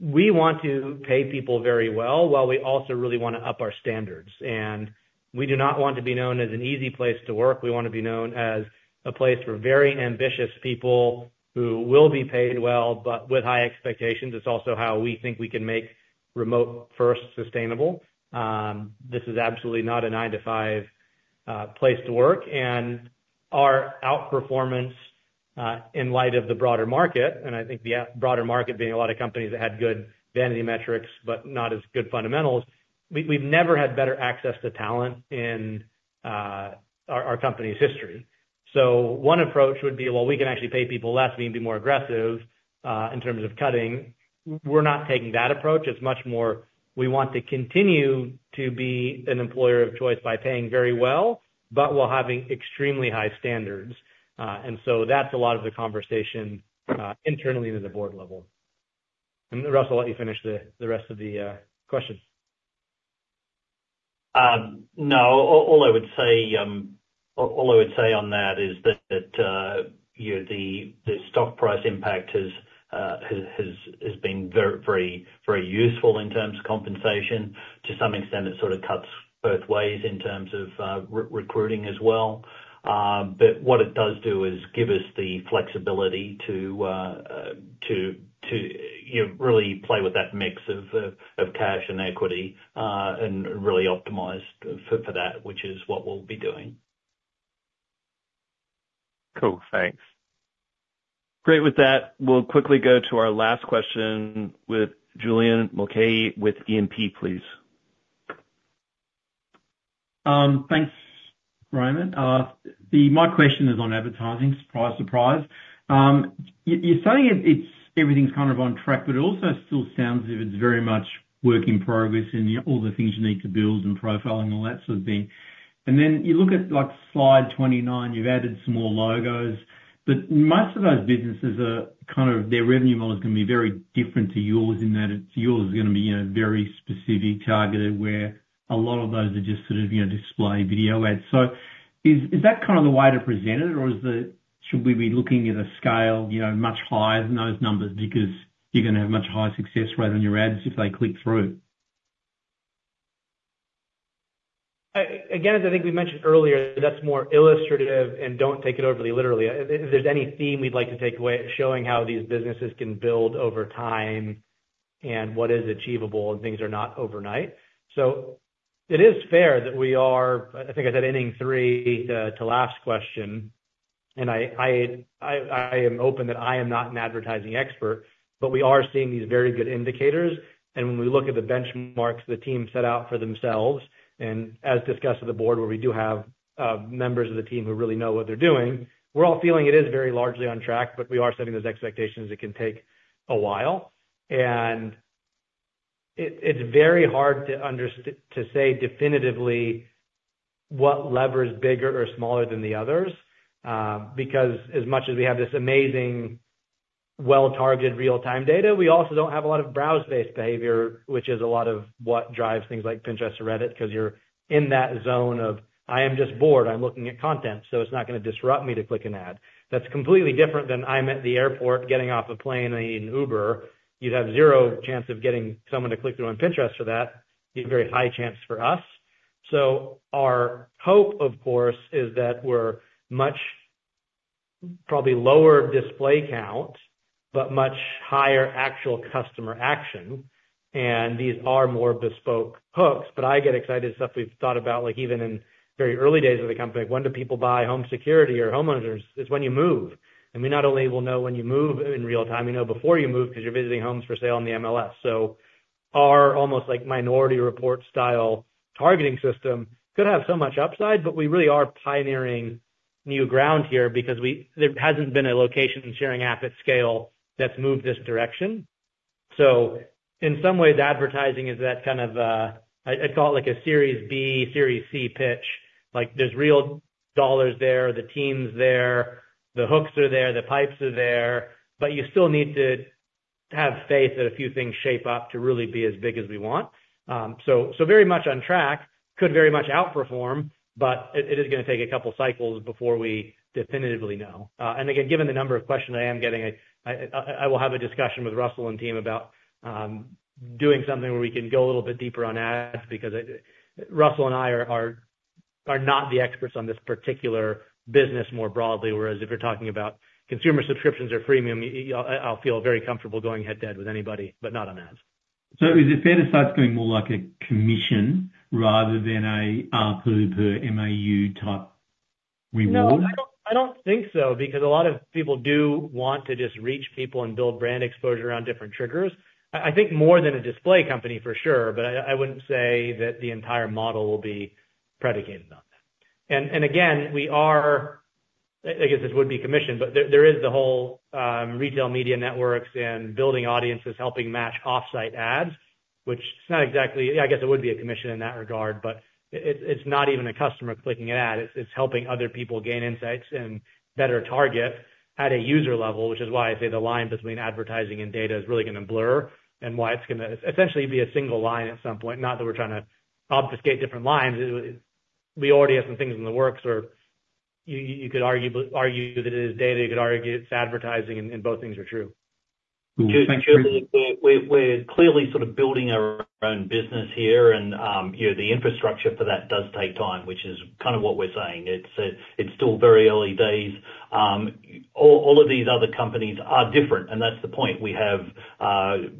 B: we want to pay people very well while we also really want to up our standards. And we do not want to be known as an easy place to work. We want to be known as a place for very ambitious people who will be paid well but with high expectations. It's also how we think we can make remote-first sustainable. This is absolutely not a 9:00 A.M. to 5:00 P.M. place to work. And our outperformance in light of the broader market, and I think the broader market being a lot of companies that had good vanity metrics but not as good fundamentals, we've never had better access to talent in our company's history. So one approach would be, "Well, we can actually pay people less. We can be more aggressive in terms of cutting." We're not taking that approach. It's much more we want to continue to be an employer of choice by paying very well but while having extremely high standards. And so that's a lot of the conversation internally to the board level. And Russell, let you finish the rest of the question.
C: No. All I would say on that is that the stock price impact has been very useful in terms of compensation. To some extent, it sort of cuts both ways in terms of recruiting as well. But what it does do is give us the flexibility to really play with that mix of cash and equity and really optimize for that, which is what we'll be doing.
M: Cool. Thanks.
A: Great. With that, we'll quickly go to our last question with Julian Mulcahy with E&P, please.
N: Thanks, Raymond. My question is on advertising, surprise, surprise. You're saying everything's kind of on track, but it also still sounds as if it's very much work in progress and all the things you need to build and profiling and all that sort of thing. And then you look at slide 29, you've added some more logos. But most of those businesses, kind of their revenue model is going to be very different to yours in that yours is going to be very specific, targeted, where a lot of those are just sort of display video ads. So is that kind of the way to present it? Or should we be looking at a scale much higher than those numbers because you're going to have much higher success rate on your ads if they click through?
B: Again, as I think we mentioned earlier, that's more illustrative and don't take it overly literally. If there's any theme we'd like to take away, it's showing how these businesses can build over time and what is achievable and things are not overnight. So it is fair that we are, I think I said inning three to last question. And I am open that I am not an advertising expert. But we are seeing these very good indicators. And when we look at the benchmarks the team set out for themselves, and as discussed with the board where we do have members of the team who really know what they're doing, we're all feeling it is very largely on track. But we are setting those expectations. It can take a while. It's very hard to say definitively what lever is bigger or smaller than the others because as much as we have this amazing, well-targeted real-time data, we also don't have a lot of browse-based behavior, which is a lot of what drives things like Pinterest or Reddit because you're in that zone of, "I am just bored. I'm looking at content. So it's not going to disrupt me to click an ad." That's completely different than I'm at the airport getting off a plane and I need an Uber. You'd have zero chance of getting someone to click through on Pinterest for that. You have a very high chance for us. So our hope, of course, is that we're much probably lower display count but much higher actual customer action. These are more bespoke hooks. But I get excited stuff we've thought about even in very early days of the company, like, "When do people buy home security or homeowners?" It's when you move. And we not only will know when you move in real time, we know before you move because you're visiting homes for sale on the MLS. So our almost Minority Report style targeting system could have so much upside. But we really are pioneering new ground here because there hasn't been a location sharing app at scale that's moved this direction. So in some ways, advertising is that kind of, I'd call it like a Series B, Series C pitch. There's real dollars there. The team's there. The hooks are there. The pipes are there. But you still need to have faith that a few things shape up to really be as big as we want. So very much on track. Could very much outperform. But it is going to take a couple of cycles before we definitively know. And again, given the number of questions I am getting, I will have a discussion with Russell and team about doing something where we can go a little bit deeper on ads because Russell and I are not the experts on this particular business more broadly. Whereas if you're talking about consumer subscriptions or freemium, I'll feel very comfortable going head-to-head with anybody but not on ads.
N: So is it fair to say it's going more like a commission rather than a ARPU, MAU type reward?
B: No, I don't think so because a lot of people do want to just reach people and build brand exposure around different triggers. I think more than a display company for sure. But I wouldn't say that the entire model will be predicated on that. And again, we are, I guess this would be commission. But there is the whole retail media networks and building audiences helping match off-site ads, which it's not exactly, I guess it would be a commission in that regard. But it's not even a customer clicking an ad. It's helping other people gain insights and better target at a user level, which is why I say the line between advertising and data is really going to blur and why it's going to essentially be a single line at some point. Not that we're trying to obfuscate different lines. We already have some things in the works. Or you could argue that it is data. You could argue it's advertising. And both things are true.
N: Thank you.
C: We're clearly sort of building our own business here. And the infrastructure for that does take time, which is kind of what we're saying. It's still very early days. All of these other companies are different. And that's the point. We have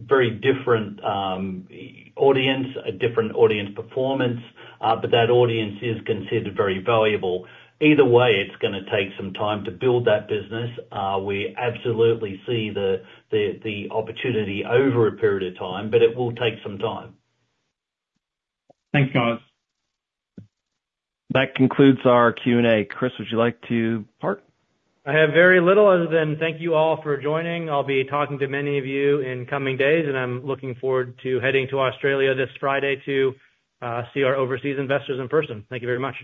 C: very different audience, a different audience performance. But that audience is considered very valuable. Either way, it's going to take some time to build that business. We absolutely see the opportunity over a period of time. But it will take some time.
N: Thanks, guys.
A: That concludes our Q&A. Chris, would you like to add?
B: I have very little other than thank you all for joining. I'll be talking to many of you in coming days, and I'm looking forward to heading to Australia this Friday to see our overseas investors in person. Thank you very much.